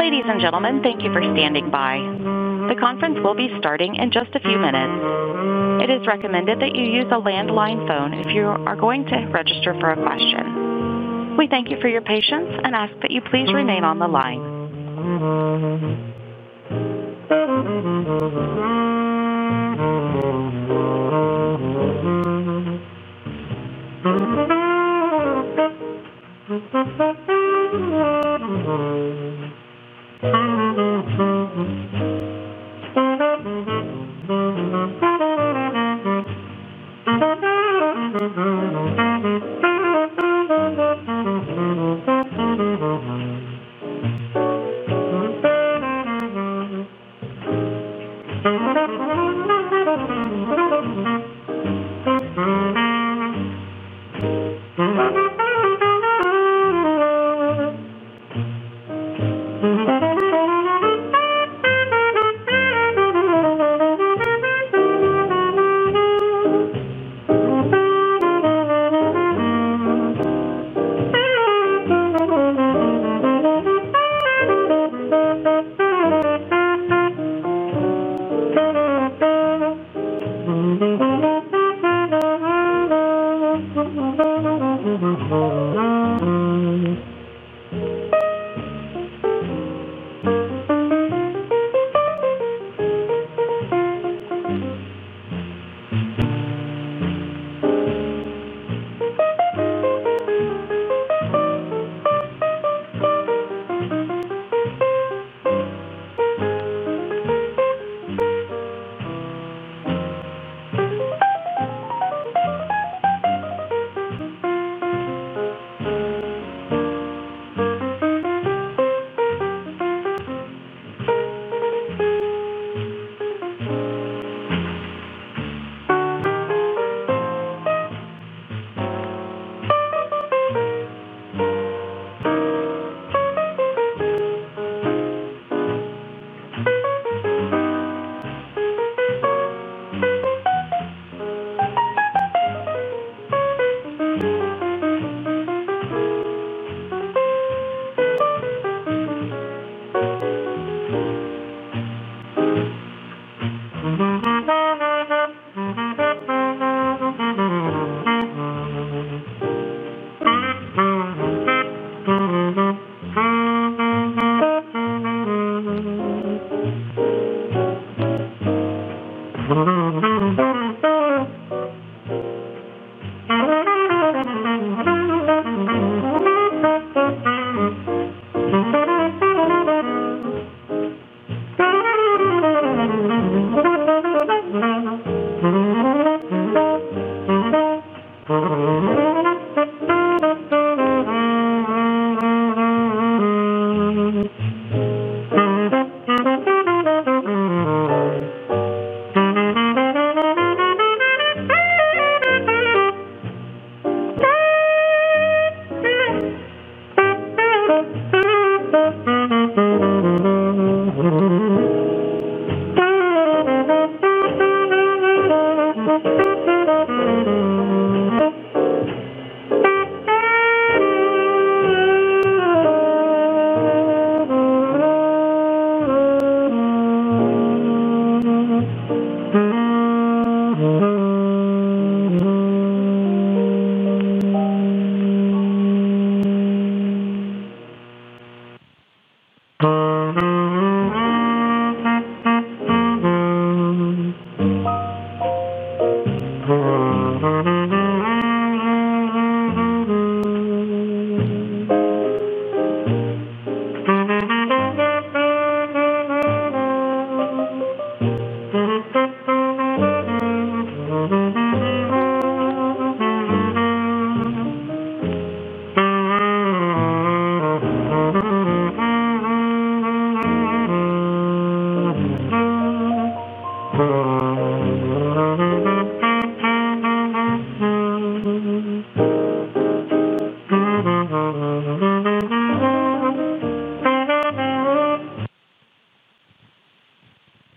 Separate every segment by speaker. Speaker 1: Ladies and gentlemen, thank you for standing by. The conference will be starting in just a few minutes. It is recommended that you use a landline phone if you are going to register for a question. We thank you for your patience and ask that you please remain on the line.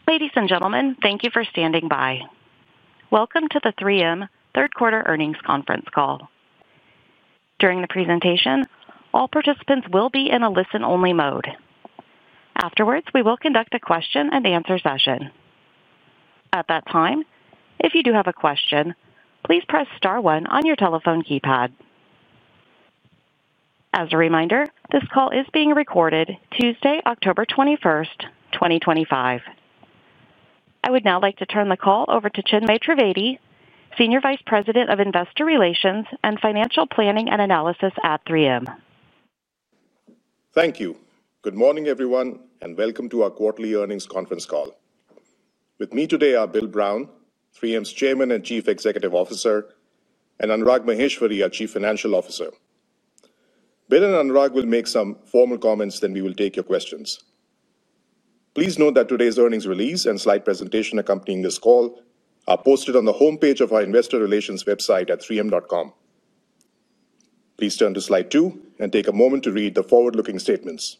Speaker 1: Ladies and gentlemen, thank you for standing by. Welcome to the 3M Third Quarter Earnings conference call. During the presentation, all participants will be in a listen-only mode. Afterwards, we will conduct a question and answer session. At that time, if you do have a question, please press star one on your telephone keypad. As a reminder, this call is being recorded Tuesday, October 21, 2025. I would now like to turn the call over to Chinmay Trivedi, Senior Vice President of Investor Relations and Financial Planning and Analysis at 3M.
Speaker 2: Thank you. Good morning, everyone, and welcome to our quarterly earnings conference call. With me today are Bill Brown, 3M's Chairman and Chief Executive Officer, and Anurag Maheshwari, our Chief Financial Officer. Bill and Anurag will make some formal comments, then we will take your questions. Please note that today's earnings release and slide presentation accompanying this call are posted on the homepage of our investor relations website at 3m.com. Please turn to slide two and take a moment to read the forward-looking statements.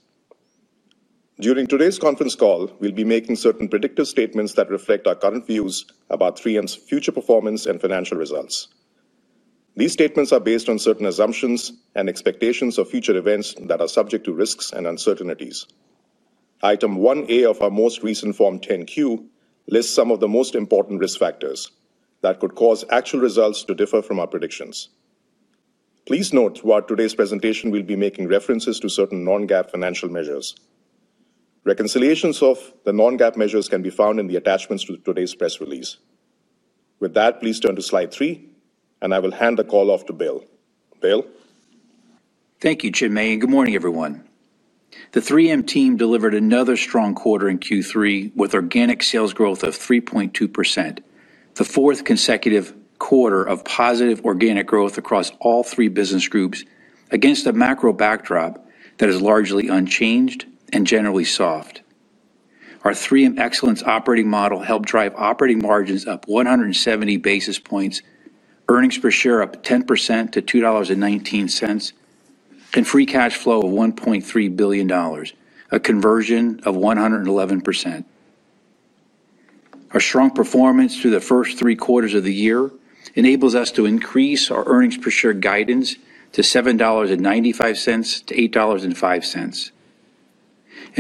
Speaker 2: During today's conference call, we'll be making certain predictive statements that reflect our current views about 3M's future performance and financial results. These statements are based on certain assumptions and expectations of future events that are subject to risks and uncertainties. Item 1A of our most recent Form 10Q lists some of the most important risk factors that could cause actual results to differ from our predictions. Please note throughout today's presentation, we'll be making references to certain non-GAAP financial measures. Reconciliations of the non-GAAP measures can be found in the attachments to today's press release. With that, please turn to slide three, and I will hand the call off to Bill. Bill?
Speaker 3: Thank you, Chinmay, and good morning, everyone. The 3M team delivered another strong quarter in Q3 with organic sales growth of 3.2%. The fourth consecutive quarter of positive organic growth across all three business groups against a macro backdrop that is largely unchanged and generally soft. Our 3M Excellence operating model helped drive operating margins up 170 basis points, earnings per share up 10% to $2.19, and free cash flow of $1.3 billion, a conversion of 111%. Our strong performance through the first three quarters of the year enables us to increase our earnings per share guidance to $7.95-$8.05.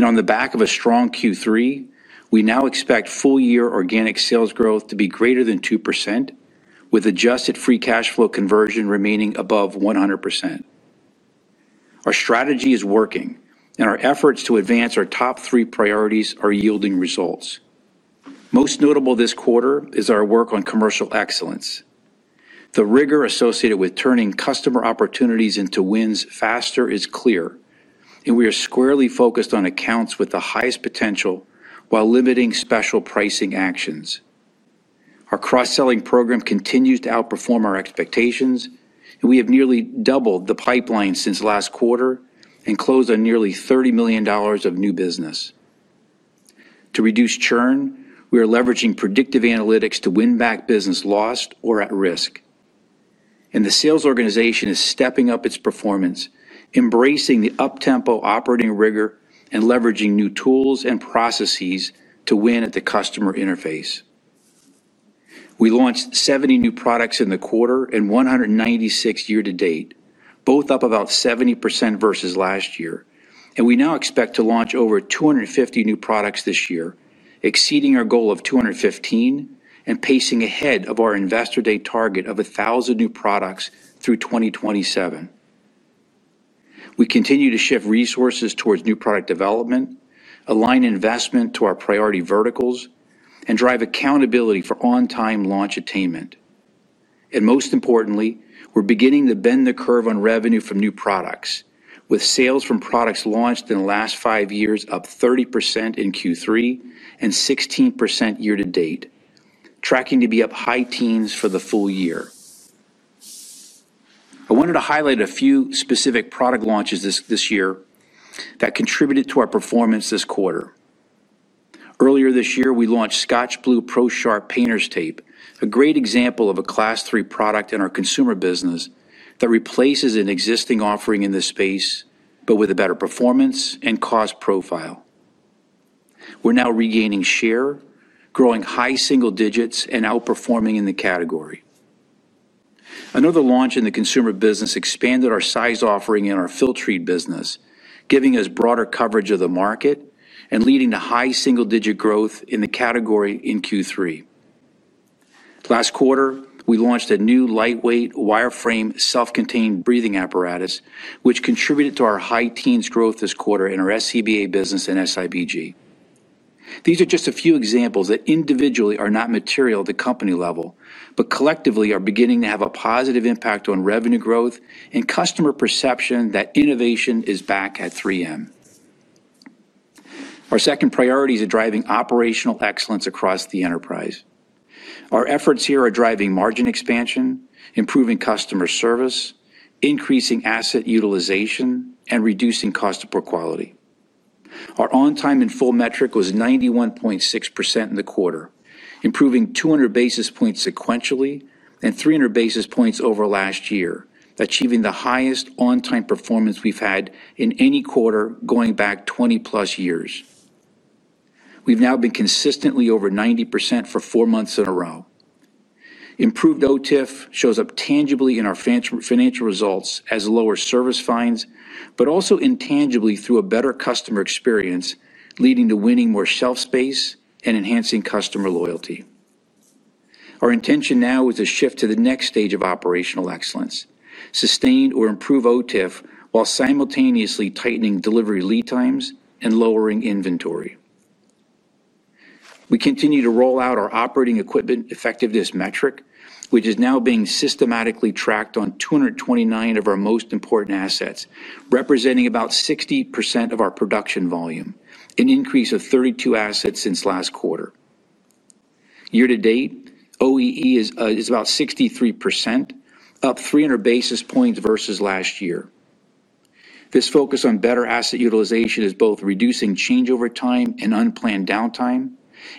Speaker 3: On the back of a strong Q3, we now expect full-year organic sales growth to be greater than 2%, with adjusted free cash flow conversion remaining above 100%. Our strategy is working, and our efforts to advance our top three priorities are yielding results. Most notable this quarter is our work on commercial excellence. The rigor associated with turning customer opportunities into wins faster is clear, and we are squarely focused on accounts with the highest potential while limiting special pricing actions. Our cross-selling program continues to outperform our expectations, and we have nearly doubled the pipeline since last quarter and closed on nearly $30 million of new business. To reduce churn, we are leveraging predictive analytics to win back business lost or at risk. The sales organization is stepping up its performance, embracing the up-tempo operating rigor and leveraging new tools and processes to win at the customer interface. We launched 70 new products in the quarter and 196 year to date, both up about 70% versus last year. We now expect to launch over 250 new products this year, exceeding our goal of 215 and pacing ahead of our Investor Day target of 1,000 new products through 2027. We continue to shift resources towards new product development, align investment to our priority verticals, and drive accountability for on-time launch attainment. Most importantly, we're beginning to bend the curve on revenue from new products, with sales from products launched in the last five years up 30% in Q3 and 16% year to date, tracking to be up high teens for the full year. I wanted to highlight a few specific product launches this year that contributed to our performance this quarter. Earlier this year, we launched ScotchBlue PROSharp Painter's Tape, a great example of a class three product in our consumer business that replaces an existing offering in this space, but with a better performance and cost profile. We're now regaining share, growing high single digits, and outperforming in the category. Another launch in the consumer business expanded our size offering in our Filtrete business, giving us broader coverage of the market and leading to high single-digit growth in the category in Q3. Last quarter, we launched a new lightweight wireframe self-contained breathing apparatus, which contributed to our high teens growth this quarter in our SCBA business and SIBG. These are just a few examples that individually are not material at the company level, but collectively are beginning to have a positive impact on revenue growth and customer perception that innovation is back at 3M. Our second priority is driving operational excellence across the enterprise. Our efforts here are driving margin expansion, improving customer service, increasing asset utilization, and reducing cost of poor quality. Our on-time in full metric was 91.6% in the quarter, improving 200 basis points sequentially and 300 basis points over last year, achieving the highest on-time performance we've had in any quarter going back 20+ years. We've now been consistently over 90% for four months in a row. Improved OTIF shows up tangibly in our financial results as lower service fines, but also intangibly through a better customer experience, leading to winning more shelf space and enhancing customer loyalty. Our intention now is to shift to the next stage of operational excellence, sustain or improve OTIF while simultaneously tightening delivery lead times and lowering inventory. We continue to roll out our operating equipment effectiveness metric, which is now being systematically tracked on 229 of our most important assets, representing about 60% of our production volume, an increase of 32 assets since last quarter. Year to date, OEE is about 63%, up 300 basis points versus last year. This focus on better asset utilization is both reducing changeover time and unplanned downtime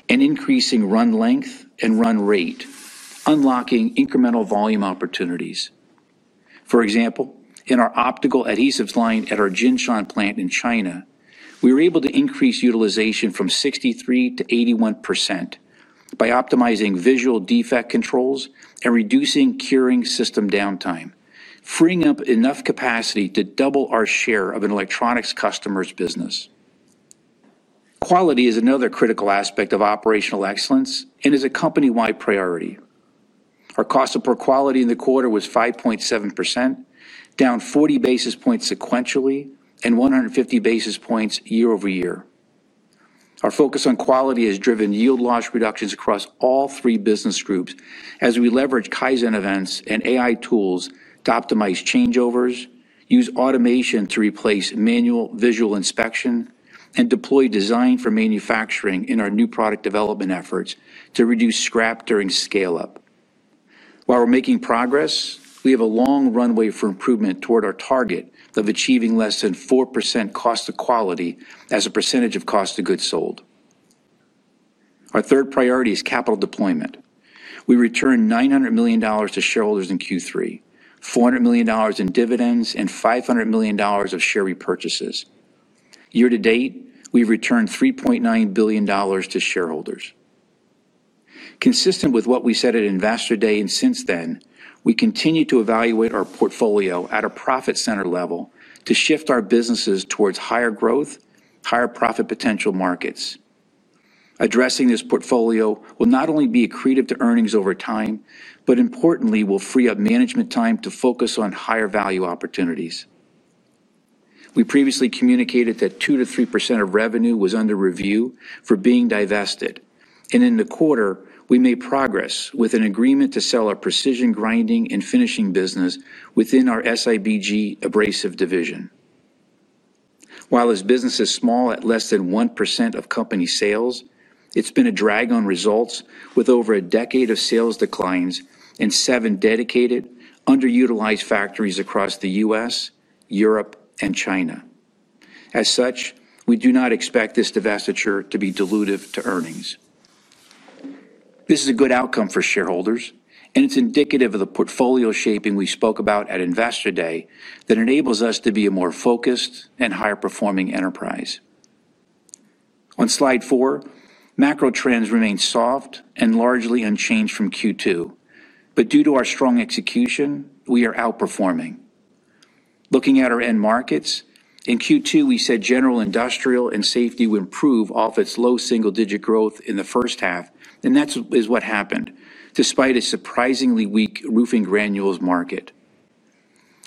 Speaker 3: and increasing run length and run rate, unlocking incremental volume opportunities. For example, in our optical adhesives line at our Jinshan plant in China, we were able to increase utilization from 63%-81% by optimizing visual defect controls and reducing curing system downtime, freeing up enough capacity to double our share of an electronics customer's business. Quality is another critical aspect of operational excellence and is a company-wide priority. Our cost of poor quality in the quarter was 5.7%, down 40 basis points sequentially and 150 basis points year-over-year. Our focus on quality has driven yield loss reductions across all three business groups as we leverage Kaizen events and AI tools to optimize changeovers, use automation to replace manual visual inspection, and deploy design for manufacturing in our new product development efforts to reduce scrap during scale-up. While we're making progress, we have a long runway for improvement toward our target of achieving less than 4% cost of quality as a percentage of cost of goods sold. Our third priority is capital deployment. We returned $900 million to shareholders in Q3, $400 million in dividends, and $500 million of share repurchases. Year to date, we've returned $3.9 billion to shareholders. Consistent with what we said at Investor Day and since then, we continue to evaluate our portfolio at a profit center level to shift our businesses towards higher growth, higher profit potential markets. Addressing this portfolio will not only be accretive to earnings over time, but importantly will free up management time to focus on higher value opportunities. We previously communicated that 2%-3% of revenue was under review for being divested, and in the quarter, we made progress with an agreement to sell our precision grinding and finishing business within our SIBG abrasive division. While this business is small at less than 1% of company sales, it's been a drag on results with over a decade of sales declines and seven dedicated underutilized factories across the U.S., Europe, and China. As such, we do not expect this divestiture to be dilutive to earnings. This is a good outcome for shareholders, and it's indicative of the portfolio shaping we spoke about at Investor Day that enables us to be a more focused and higher performing enterprise. On slide four, macro trends remain soft and largely unchanged from Q2, but due to our strong execution, we are outperforming. Looking at our end markets, in Q2, we said general industrial and safety would improve off its low single-digit growth in the first half, and that is what happened, despite a surprisingly weak roofing granules market.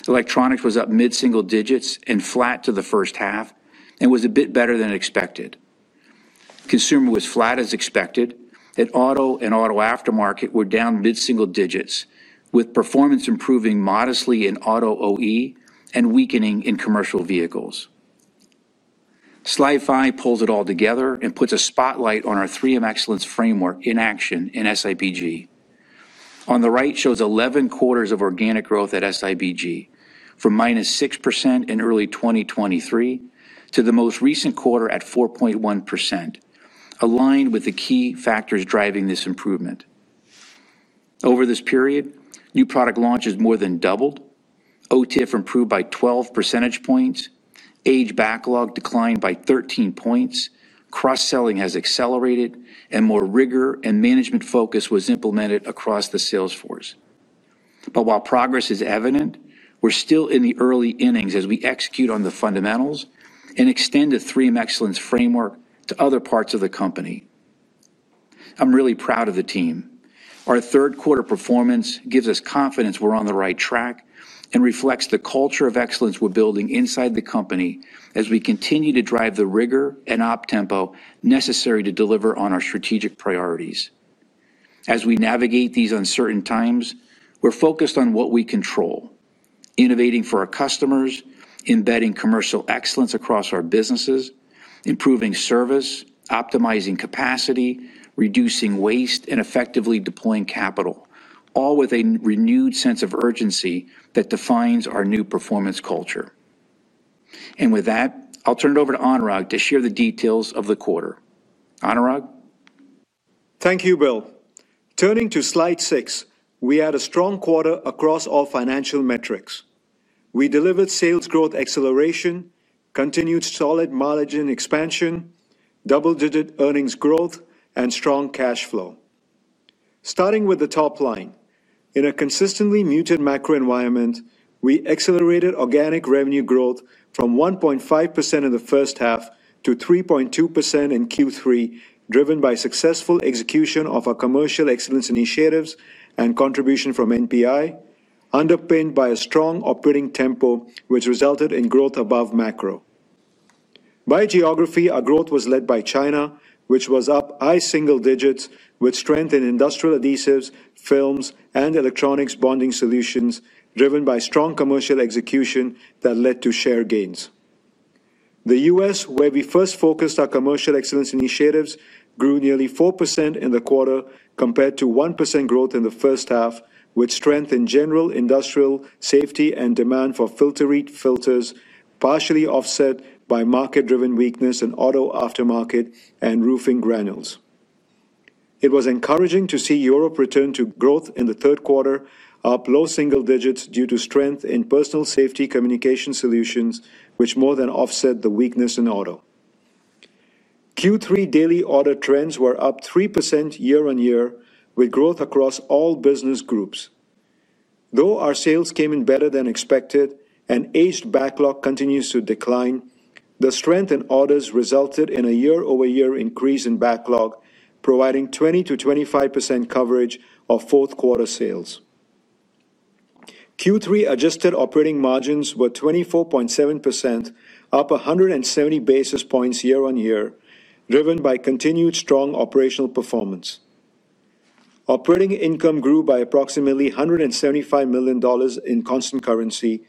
Speaker 3: Electronics was up mid-single digits and flat to the first half and was a bit better than expected. Consumer was flat as expected, and auto and auto aftermarket were down mid-single digits, with performance improving modestly in auto OE and weakening in commercial vehicles. Slide five pulls it all together and puts a spotlight on our 3M Excellence framework in action in SIBG. On the right shows 11 quarters of organic growth at SIBG, from minus 6% in early 2023 to the most recent quarter at 4.1%, aligned with the key factors driving this improvement. Over this period, new product launches more than doubled, OTIF improved by 12 percentage points, age backlog declined by 13 points, cross-selling has accelerated, and more rigor and management focus was implemented across the sales force. While progress is evident, we're still in the early innings as we execute on the fundamentals and extend the 3M Excellence framework to other parts of the company. I'm really proud of the team. Our third quarter performance gives us confidence we're on the right track and reflects the culture of excellence we're building inside the company as we continue to drive the rigor and uptempo necessary to deliver on our strategic priorities. As we navigate these uncertain times, we're focused on what we control: innovating for our customers, embedding commercial excellence across our businesses, improving service, optimizing capacity, reducing waste, and effectively deploying capital, all with a renewed sense of urgency that defines our new performance culture. With that, I'll turn it over to Anurag to share the details of the quarter. Anurag?
Speaker 4: Thank you, Bill. Turning to slide six, we had a strong quarter across all financial metrics. We delivered sales growth acceleration, continued solid margin expansion, double-digit earnings growth, and strong cash flow. Starting with the top line, in a consistently muted macro environment, we accelerated organic revenue growth from 1.5% in the first half to 3.2% in Q3, driven by successful execution of our commercial excellence initiatives and contribution from NPI, underpinned by a strong operating tempo, which resulted in growth above macro. By geography, our growth was led by China, which was up high single digits with strength in industrial adhesives, films, and electronics bonding solutions, driven by strong commercial execution that led to share gains. The U.S., where we first focused our commercial excellence initiatives, grew nearly 4% in the quarter compared to 1% growth in the first half, with strength in general industrial safety and demand for Filtrete filters partially offset by market-driven weakness in auto aftermarket and roofing granules. It was encouraging to see Europe return to growth in the third quarter, up low single digits due to strength in personal safety communication solutions, which more than offset the weakness in auto. Q3 daily order trends were up 3% year on year, with growth across all business groups. Though our sales came in better than expected and aged backlog continues to decline, the strength in orders resulted in a year-over-year increase in backlog, providing 20%-25% coverage of fourth quarter sales. Q3 adjusted operating margins were 24.7%, up 170 basis points year on year, driven by continued strong operational performance. Operating income grew by approximately $175 million in constant currency,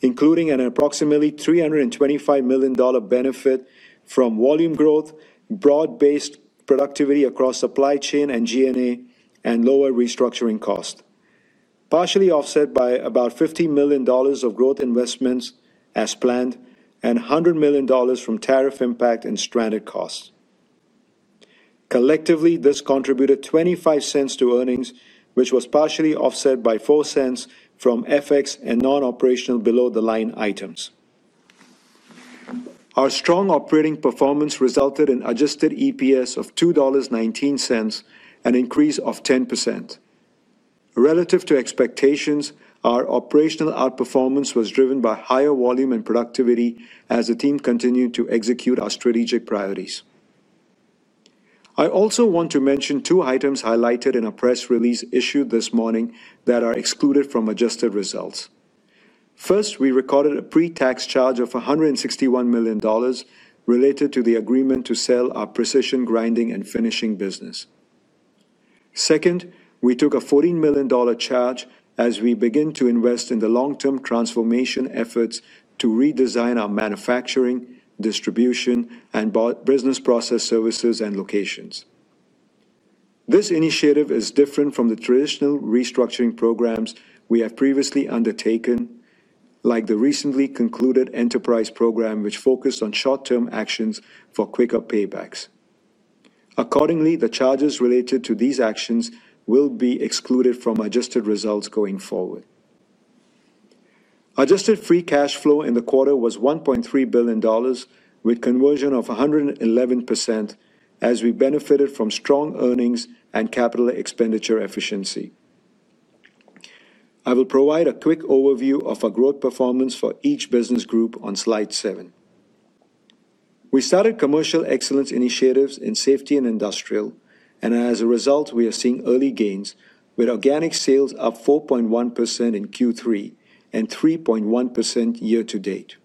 Speaker 4: including an approximately $325 million benefit from volume growth, broad-based productivity across supply chain and G&A, and lower restructuring costs, partially offset by about $50 million of growth investments as planned and $100 million from tariff impact and stranded costs. Collectively, this contributed $0.25 to earnings, which was partially offset by $0.04 from FX and non-operational below-the-line items. Our strong operating performance resulted in adjusted EPS of $2.19, an increase of 10%. Relative to expectations, our operational outperformance was driven by higher volume and productivity as the team continued to execute our strategic priorities. I also want to mention two items highlighted in a press release issued this morning that are excluded from adjusted results. First, we recorded a pre-tax charge of $161 million related to the agreement to sell our precision grinding and finishing business. Second, we took a $14 million charge as we begin to invest in the long-term transformation efforts to redesign our manufacturing, distribution, and business process services and locations. This initiative is different from the traditional restructuring programs we have previously undertaken, like the recently concluded enterprise program, which focused on short-term actions for quicker paybacks. Accordingly, the charges related to these actions will be excluded from adjusted results going forward. Adjusted free cash flow in the quarter was $1.3 billion, with conversion of 111% as we benefited from strong earnings and capital expenditure efficiency. I will provide a quick overview of our growth performance for each business group on slide seven. We started commercial excellence initiatives in safety and industrial, and as a result, we are seeing early gains with organic sales up 4.1% in Q3 and 3.1% year to date.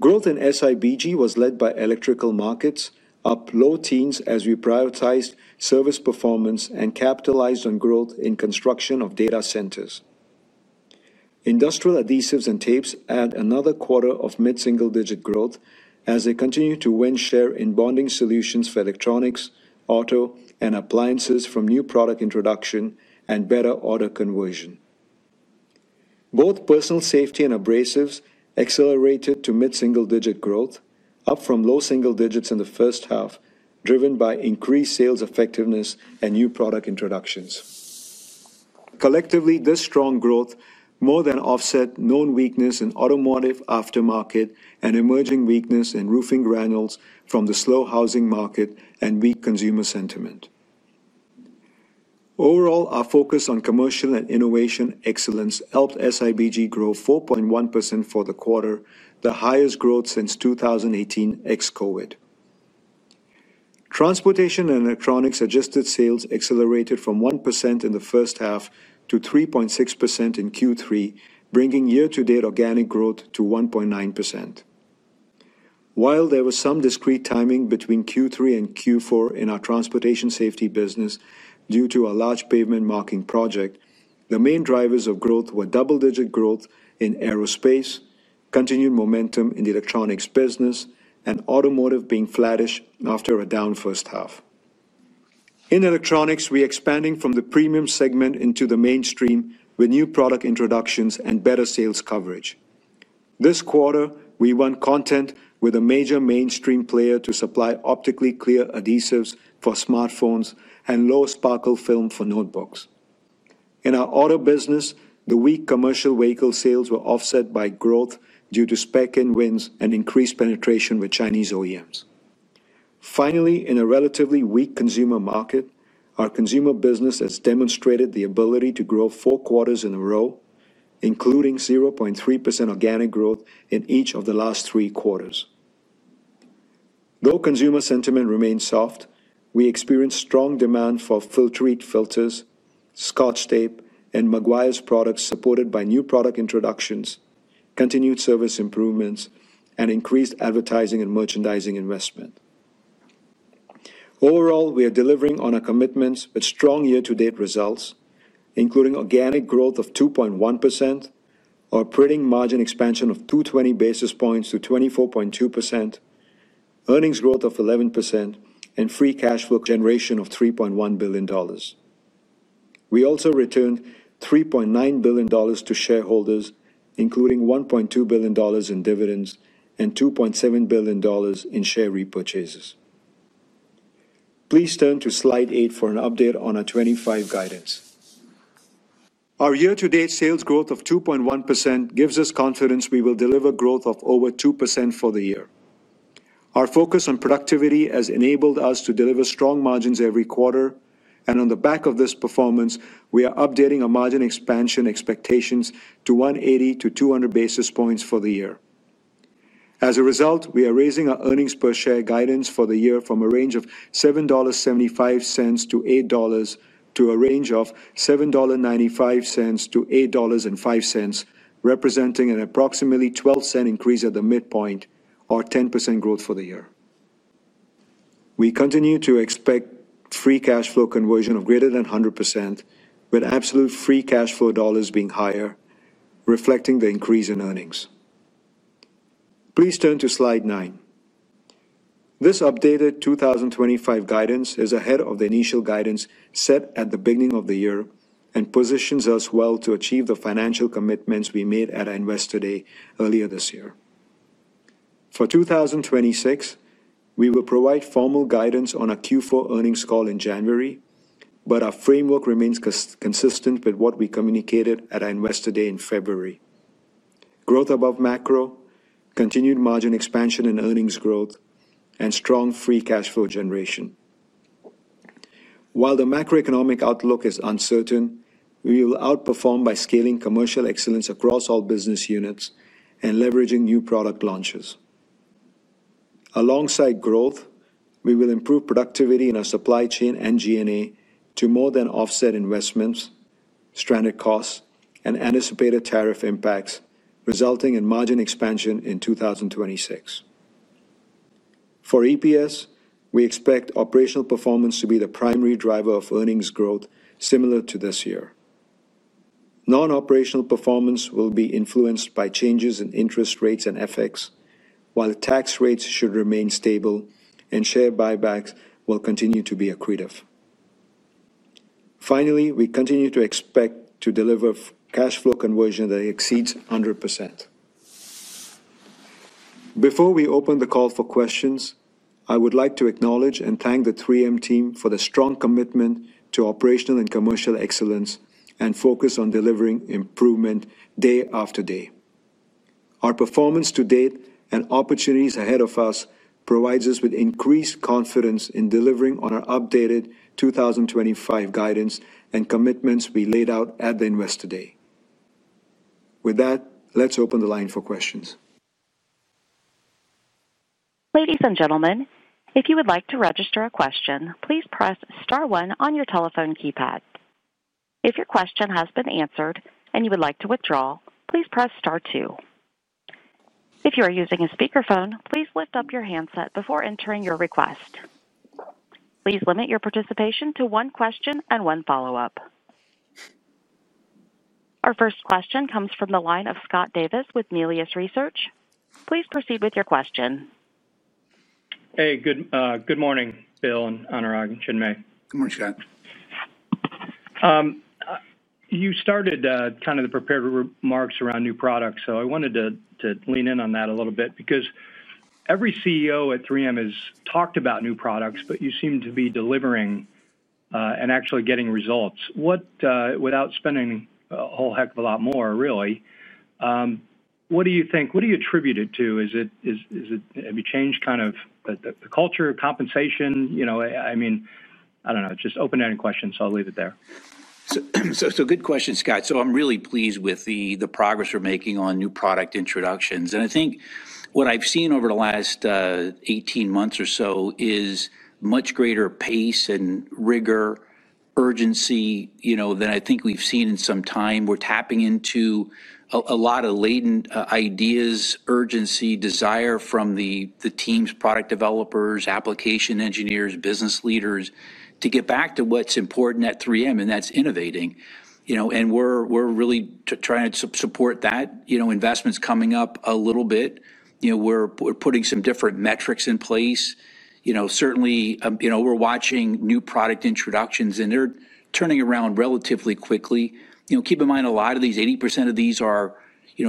Speaker 4: Growth in SIBG was led by electrical markets, up low teens as we prioritized service performance and capitalized on growth in construction of data centers. Industrial adhesives and tapes had another quarter of mid-single digit growth as they continue to win share in bonding solutions for electronics, auto, and appliances from new product introduction and better order conversion. Both personal safety and abrasives accelerated to mid-single digit growth, up from low single digits in the first half, driven by increased sales effectiveness and new product introductions. Collectively, this strong growth more than offset known weakness in automotive aftermarket and emerging weakness in roofing granules from the slow housing market and weak consumer sentiment. Overall, our focus on commercial and innovation excellence helped SIBG grow 4.1% for the quarter, the highest growth since 2018 ex-COVID. Transportation and electronics adjusted sales accelerated from 1% in the first half to 3.6% in Q3, bringing year-to-date organic growth to 1.9%. While there was some discrete timing between Q3 and Q4 in our transportation safety business due to a large pavement marking project, the main drivers of growth were double-digit growth in aerospace, continued momentum in the electronics business, and automotive being flattish after a down first half. In electronics, we're expanding from the premium segment into the mainstream with new product introductions and better sales coverage. This quarter, we won content with a major mainstream player to supply optically clear adhesives for smartphones and low sparkle film for notebooks. In our auto business, the weak commercial vehicle sales were offset by growth due to spec-in wins and increased penetration with Chinese OEMs. Finally, in a relatively weak consumer market, our consumer business has demonstrated the ability to grow four quarters in a row, including 0.3% organic growth in each of the last three quarters. Though consumer sentiment remains soft, we experience strong demand for Filtrete filters, Scotch Tape, and Meguiar's products supported by new product introductions, continued service improvements, and increased advertising and merchandising investment. Overall, we are delivering on our commitments with strong year-to-date results, including organic growth of 2.1%, operating margin expansion of 220 basis points to 24.2%, earnings growth of 11%, and free cash flow generation of $3.1 billion. We also returned $3.9 billion to shareholders, including $1.2 billion in dividends and $2.7 billion in share repurchases. Please turn to slide eight for an update on our 2025 guidance. Our year-to-date sales growth of 2.1% gives us confidence we will deliver growth of over 2% for the year. Our focus on productivity has enabled us to deliver strong margins every quarter, and on the back of this performance, we are updating our margin expansion expectations to 180 basis points-200 basis points for the year. As a result, we are raising our earnings per share guidance for the year from a range of $7.75-$8.00 to a range of $7.95-$8.05, representing an approximately 12% increase at the midpoint, or 10% growth for the year. We continue to expect free cash flow conversion of greater than 100%, with absolute free cash flow dollars being higher, reflecting the increase in earnings. Please turn to slide nine. This updated 2025 guidance is ahead of the initial guidance set at the beginning of the year and positions us well to achieve the financial commitments we made at our Investor Day earlier this year. For 2026, we will provide formal guidance on a Q4 earnings call in January, but our framework remains consistent with what we communicated at our Investor Day in February: growth above macro, continued margin expansion and earnings growth, and strong free cash flow generation. While the macroeconomic outlook is uncertain, we will outperform by scaling commercial excellence across all business units and leveraging new product launches. Alongside growth, we will improve productivity in our supply chain and G&A to more than offset investments, stranded costs, and anticipated tariff impacts, resulting in margin expansion in 2026. For EPS, we expect operational performance to be the primary driver of earnings growth, similar to this year. Non-operational performance will be influenced by changes in interest rates and FX, while tax rates should remain stable and share buybacks will continue to be accretive. Finally, we continue to expect to deliver cash flow conversion that exceeds 100%. Before we open the call for questions, I would like to acknowledge and thank the 3M team for the strong commitment to operational and commercial excellence and focus on delivering improvement day after day. Our performance to date and opportunities ahead of us provide us with increased confidence in delivering on our updated 2025 guidance and commitments we laid out at the Investor Day. With that, let's open the line for questions.
Speaker 1: Ladies and gentlemen, if you would like to register a question, please press star one on your telephone keypad. If your question has been answered and you would like to withdraw, please press star two. If you are using a speakerphone, please lift up your handset before entering your request. Please limit your participation to one question and one follow-up. Our first question comes from the line of Scott Davis with Melius Research. Please proceed with your question.
Speaker 5: Hey, good morning, Bill, Anurag, and Chinmay.
Speaker 3: Good morning, Scott.
Speaker 5: You started kind of the prepared remarks around new products, so I wanted to lean in on that a little bit because every CEO at 3M has talked about new products, but you seem to be delivering and actually getting results without spending a whole heck of a lot more, really. What do you think? What do you attribute it to? Have you changed kind of the culture of compensation? I mean, I don't know, it's just an open-ended question, so I'll leave it there.
Speaker 3: Good question, Scott. I'm really pleased with the progress we're making on new product introductions. I think what I've seen over the last 18 months or so is much greater pace and rigor, urgency, than I think we've seen in some time. We're tapping into a lot of latent ideas, urgency, desire from the teams, product developers, application engineers, business leaders to get back to what's important at 3M, and that's innovating. We're really trying to support that. Investments coming up a little bit. We're putting some different metrics in place. Certainly, we're watching new product introductions, and they're turning around relatively quickly. Keep in mind a lot of these, 80% of these are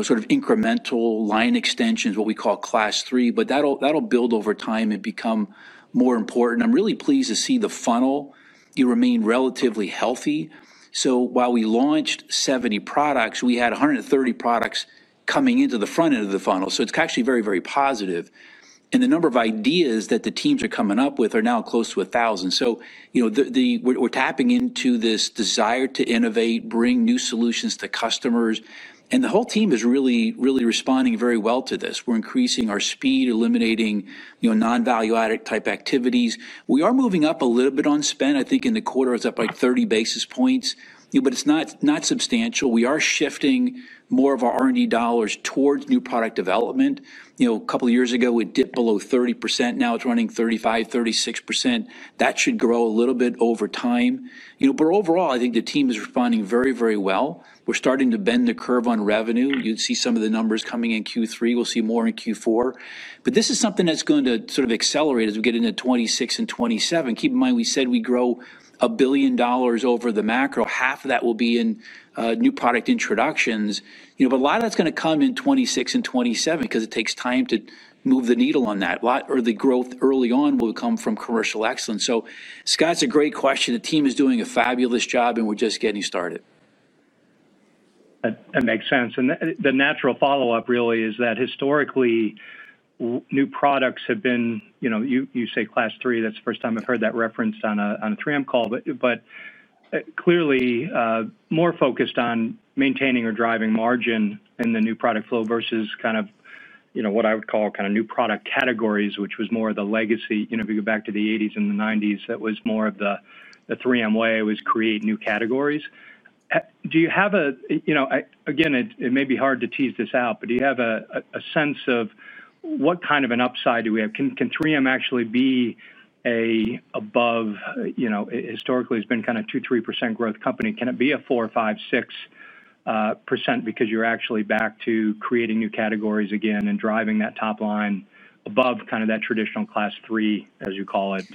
Speaker 3: sort of incremental line extensions, what we call class three, but that'll build over time and become more important. I'm really pleased to see the funnel remain relatively healthy. While we launched 70 products, we had 130 products coming into the front end of the funnel. It's actually very, very positive. The number of ideas that the teams are coming up with are now close to 1,000. We're tapping into this desire to innovate, bring new solutions to customers. The whole team is really, really responding very well to this. We're increasing our speed, eliminating non-value-added type activities. We are moving up a little bit on spend. I think in the quarter, it's up by 30 basis points, but it's not substantial. We are shifting more of our R&D dollars towards new product development. A couple of years ago, it dipped below 30%. Now it's running 35%, 36%. That should grow a little bit over time. Overall, I think the team is responding very, very well. We're starting to bend the curve on revenue. You'd see some of the numbers coming in Q3. We'll see more in Q4. This is something that's going to sort of accelerate as we get into 2026 and 2027. Keep in mind, we said we grow a billion dollars over the macro. Half of that will be in new product introductions. A lot of that's going to come in 2026 and 2027 because it takes time to move the needle on that. A lot of the growth early on will come from commercial excellence. Scott, it's a great question. The team is doing a fabulous job, and we're just getting started.
Speaker 5: That makes sense. The natural follow-up really is that historically, new products have been, you know, you say class three, that's the first time I've heard that referenced on a 3M call. Clearly, more focused on maintaining or driving margin in the new product flow versus kind of, you know, what I would call kind of new product categories, which was more of the legacy. If you go back to the 1980s and the 1990s, that was more of the 3M way, it was create new categories. Do you have a, you know, again, it may be hard to tease this out, but do you have a sense of what kind of an upside do we have? Can 3M actually be above, you know, historically it's been kind of 2%, 3% growth company. Can it be a 4%, 5%, 6% because you're actually back to creating new categories again and driving that top line above kind of that traditional class three, as you call it,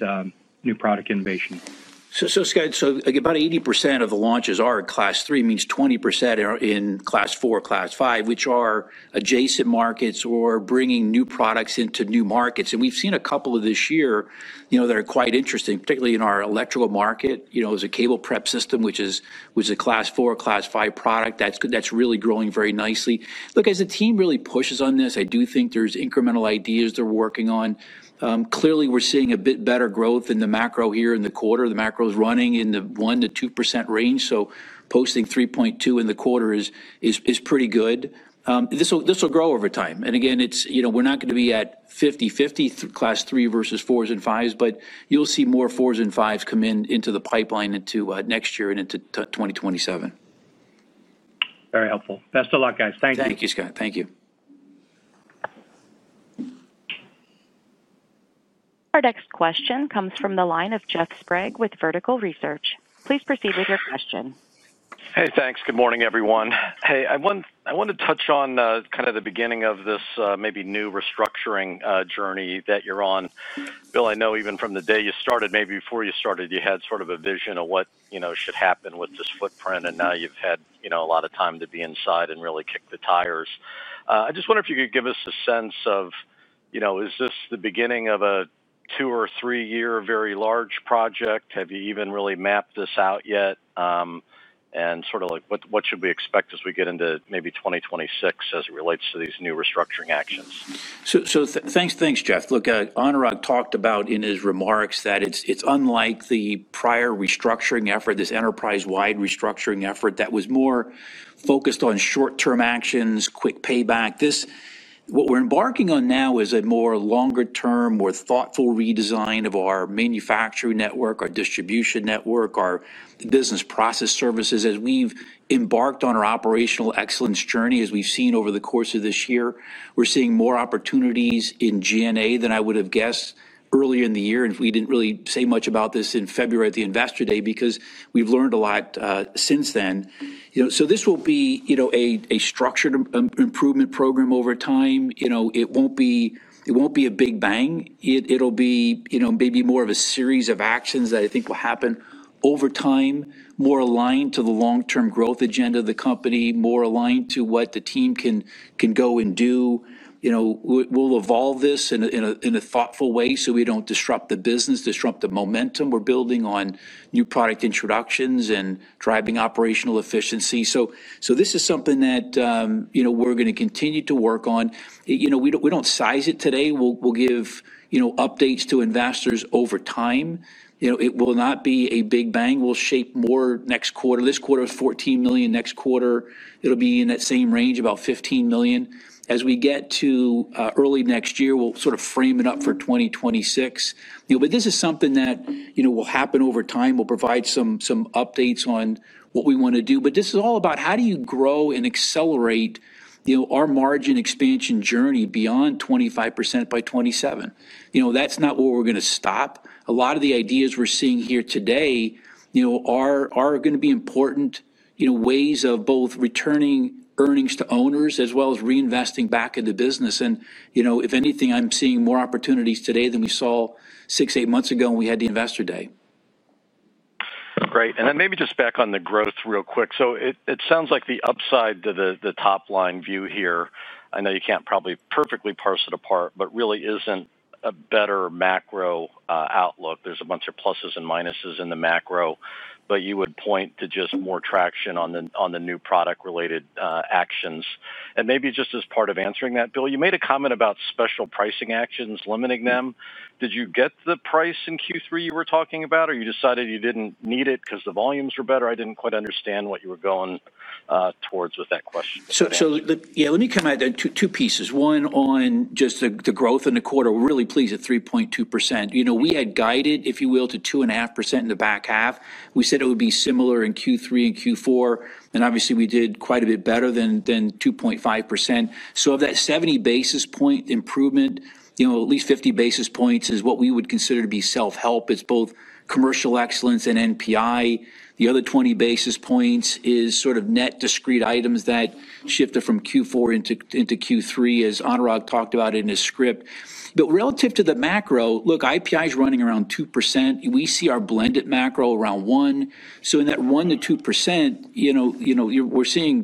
Speaker 5: new product innovation?
Speaker 3: About 80% of the launches are in class three, which means 20% are in class four, class five, which are adjacent markets or bringing new products into new markets. We've seen a couple this year that are quite interesting, particularly in our electrical market. There's a cable prep system, which is a class four, class five product that's really growing very nicely. As the team really pushes on this, I do think there are incremental ideas they're working on. Clearly, we're seeing a bit better growth in the macro here in the quarter. The macro is running in the 1%-2% range, so posting 3.2% in the quarter is pretty good. This will grow over time. We're not going to be at 50/50 class three versus fours and fives, but you'll see more fours and fives come into the pipeline into next year and into 2027.
Speaker 5: Very helpful. Best of luck, guys. Thank you.
Speaker 3: Thank you, Scott. Thank you.
Speaker 1: Our next question comes from the line of Jeff Sprague with Vertical Research. Please proceed with your question.
Speaker 6: Hey, thanks. Good morning, everyone. I want to touch on kind of the beginning of this maybe new restructuring journey that you're on. Bill, I know even from the day you started, maybe before you started, you had sort of a vision of what, you know, should happen with this footprint, and now you've had a lot of time to be inside and really kick the tires. I just wonder if you could give us a sense of, you know, is this the beginning of a two or three-year very large project? Have you even really mapped this out yet? What should we expect as we get into maybe 2026 as it relates to these new restructuring actions?
Speaker 3: Thanks, Jeff. Anurag talked about in his remarks that unlike the prior restructuring effort, this enterprise-wide restructuring effort was more focused on short-term actions, quick payback. What we're embarking on now is a more longer-term, more thoughtful redesign of our manufacturing network, our distribution network, our business process services. As we've embarked on our operational excellence journey, as we've seen over the course of this year, we're seeing more opportunities in G&A than I would have guessed earlier in the year. We didn't really say much about this in February at the Investor Day because we've learned a lot since then. This will be a structured improvement program over time. It won't be a big bang. It'll be maybe more of a series of actions that I think will happen over time, more aligned to the long-term growth agenda of the company, more aligned to what the team can go and do. We'll evolve this in a thoughtful way so we don't disrupt the business, disrupt the momentum we're building on new product introductions and driving operational efficiency. This is something that we're going to continue to work on. We don't size it today. We'll give updates to investors over time. It will not be a big bang. We'll shape more next quarter. This quarter is $14 million. Next quarter, it'll be in that same range, about $15 million. As we get to early next year, we'll sort of frame it up for 2026. This is something that will happen over time. We'll provide some updates on what we want to do. This is all about how you grow and accelerate our margin expansion journey beyond 25% by 2027. That's not where we're going to stop. A lot of the ideas we're seeing here today are going to be important ways of both returning earnings to owners as well as reinvesting back into business. If anything, I'm seeing more opportunities today than we saw six, eight months ago when we had the Investor Day.
Speaker 6: Great. Maybe just back on the growth real quick. It sounds like the upside to the top line view here, I know you can't probably perfectly parse it apart, but really isn't a better macro outlook. There's a bunch of pluses and minuses in the macro, but you would point to just more traction on the new product-related actions. Maybe just as part of answering that, Bill, you made a comment about special pricing actions limiting them. Did you get the price in Q3 you were talking about, or you decided you didn't need it because the volumes were better? I didn't quite understand what you were going towards with that question.
Speaker 3: Let me come out there in two pieces. One on just the growth in the quarter. We're really pleased at 3.2%. We had guided, if you will, to 2.5% in the back half. We said it would be similar in Q3 and Q4. Obviously, we did quite a bit better than 2.5%. Of that 70 basis point improvement, at least 50 basis points is what we would consider to be self-help. It's both commercial excellence and NPI. The other 20 basis points is sort of net discrete items that shifted from Q4 into Q3, as Anurag talked about in his script. Relative to the macro, IPI is running around 2%. We see our blended macro around 1%. In that 1% to 2%, we're seeing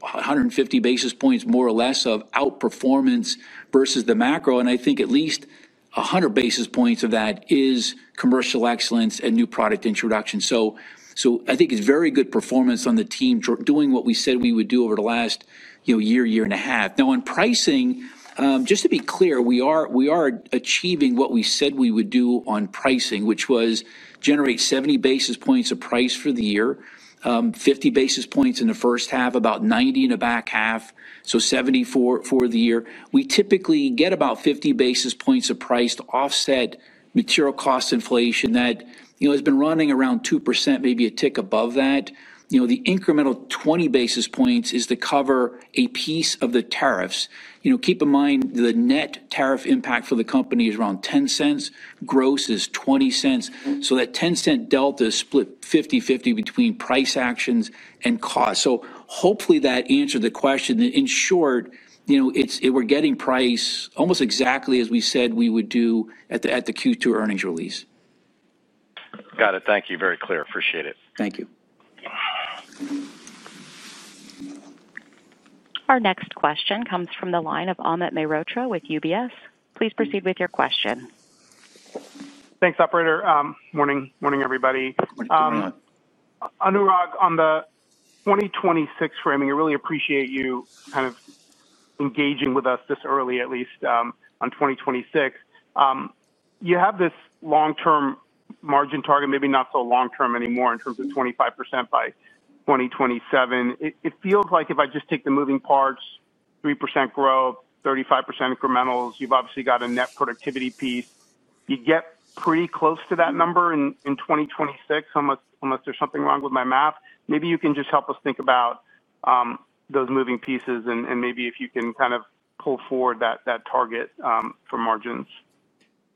Speaker 3: 150 basis points more or less of outperformance versus the macro. I think at least 100 basis points of that is commercial excellence and new product introduction. I think it's very good performance on the team doing what we said we would do over the last year, year and a half. Now on pricing, just to be clear, we are achieving what we said we would do on pricing, which was generate 70 basis points of price for the year, 50 basis points in the first half, about 90 in the back half. So 70 for the year. We typically get about 50 basis points of price to offset material cost inflation that has been running around 2%, maybe a tick above that. The incremental 20 basis points is to cover a piece of the tariffs. Keep in mind the net tariff impact for the company is around $0.10. Gross is $0.20. That $0.10 delta is split 50/50 between price actions and cost. Hopefully that answered the question that in short, we're getting price almost exactly as we said we would do at the Q2 earnings release.
Speaker 6: Got it. Thank you. Very clear. Appreciate it.
Speaker 3: Thank you.
Speaker 1: Our next question comes from the line of Amit Mehrotra with UBS. Please proceed with your question.
Speaker 7: Thanks, operator. Morning, everybody. Anurag, on the 2026 framing, I really appreciate you kind of engaging with us this early, at least on 2026. You have this long-term margin target, maybe not so long-term anymore in terms of 25% by 2027. It feels like if I just take the moving parts, 3% growth, 35% incrementals, you've obviously got a net productivity piece. You get pretty close to that number in 2026, unless there's something wrong with my math. Maybe you can just help us think about those moving pieces and maybe if you can kind of pull forward that target for margins.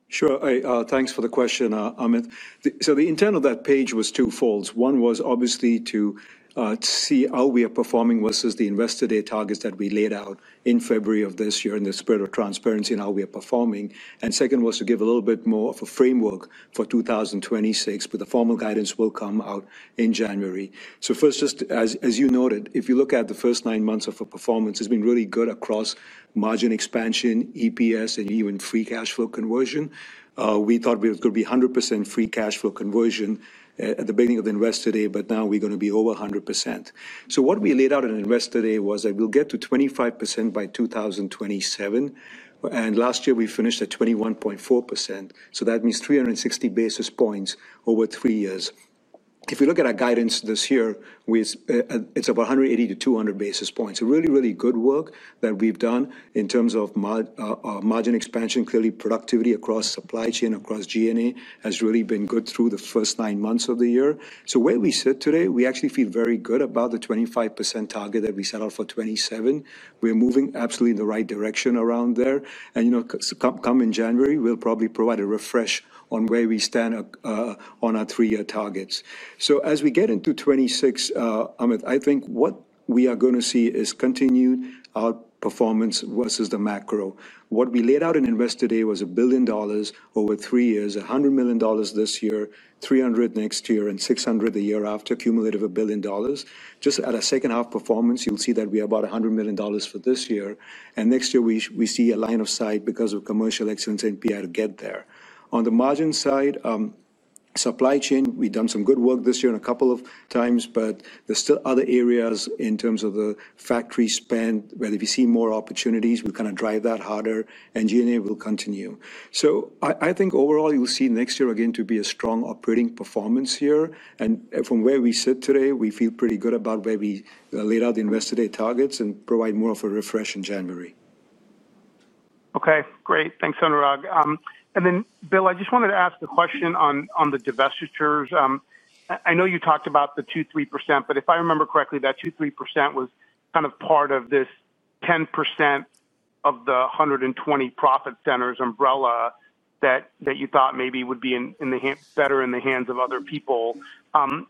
Speaker 4: Sure. Thanks for the question, Amit. The intent of that page was twofold. One was obviously to see how we are performing versus the Investor Day targets that we laid out in February of this year in the spirit of transparency and how we are performing. Second was to give a little bit more of a framework for 2026, but the formal guidance will come out in January. First, just as you noted, if you look at the first nine months of our performance, it's been really good across margin expansion, EPS, and even free cash flow conversion. We thought we were going to be 100% free cash flow conversion at the beginning of the Investor Day, but now we're going to be over 100%. What we laid out in the Investor Day was that we'll get to 25% by 2027. Last year we finished at 21.4%. That means 360 basis points over three years. If you look at our guidance this year, it's about 180 basis points-200 basis points. Really, really good work that we've done in terms of margin expansion. Clearly, productivity across supply chain, across G&A has really been good through the first nine months of the year. Where we sit today, we actually feel very good about the 25% target that we set out for 2027. We're moving absolutely in the right direction around there. In January, we'll probably provide a refresh on where we stand on our three-year targets. As we get into 2026, Amit, I think what we are going to see is continued outperformance versus the macro. What we laid out in Investor Day was $1 billion over three years, $100 million this year, $300 million next year, and $600 million the year after, cumulative $1 billion. Just at a second half performance, you'll see that we have about $100 million for this year. Next year, we see a line of sight because of commercial excellence NPI to get there. On the margin side, supply chain, we've done some good work this year in a couple of times, but there's still other areas in terms of the factory spend where if you see more opportunities, we'll kind of drive that harder and G&A will continue. I think overall you'll see next year again to be a strong operating performance year. From where we sit today, we feel pretty good about where we laid out the Investor Day targets and provide more of a refresh in January.
Speaker 7: Okay, great. Thanks, Anurag. Bill, I just wanted to ask a question on the divestitures. I know you talked about the 2%, 3%, but if I remember correctly, that 2%, 3% was kind of part of this 10% of the 120 profit centers umbrella that you thought maybe would be better in the hands of other people. Do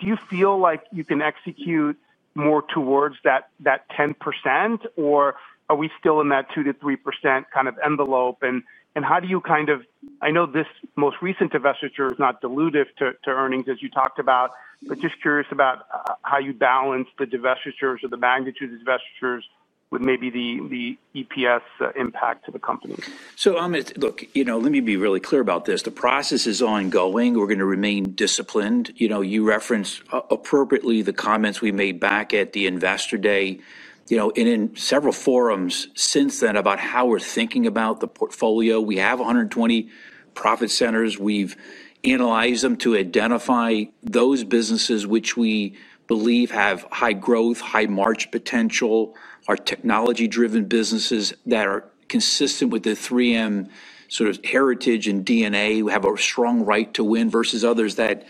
Speaker 7: you feel like you can execute more towards that 10% or are we still in that 2%-3% kind of envelope? How do you, I know this most recent divestiture is not dilutive to earnings as you talked about, but just curious about how you balance the divestitures or the magnitude of divestitures with maybe the EPS impact to the company.
Speaker 3: Amit, look, let me be really clear about this. The process is ongoing. We're going to remain disciplined. You referenced appropriately the comments we made back at the Investor Day and in several forums since then about how we're thinking about the portfolio. We have 120 profit centers. We've analyzed them to identify those businesses which we believe have high growth, high margin potential, are technology-driven businesses that are consistent with the 3M sort of heritage and DNA. We have a strong right to win versus others that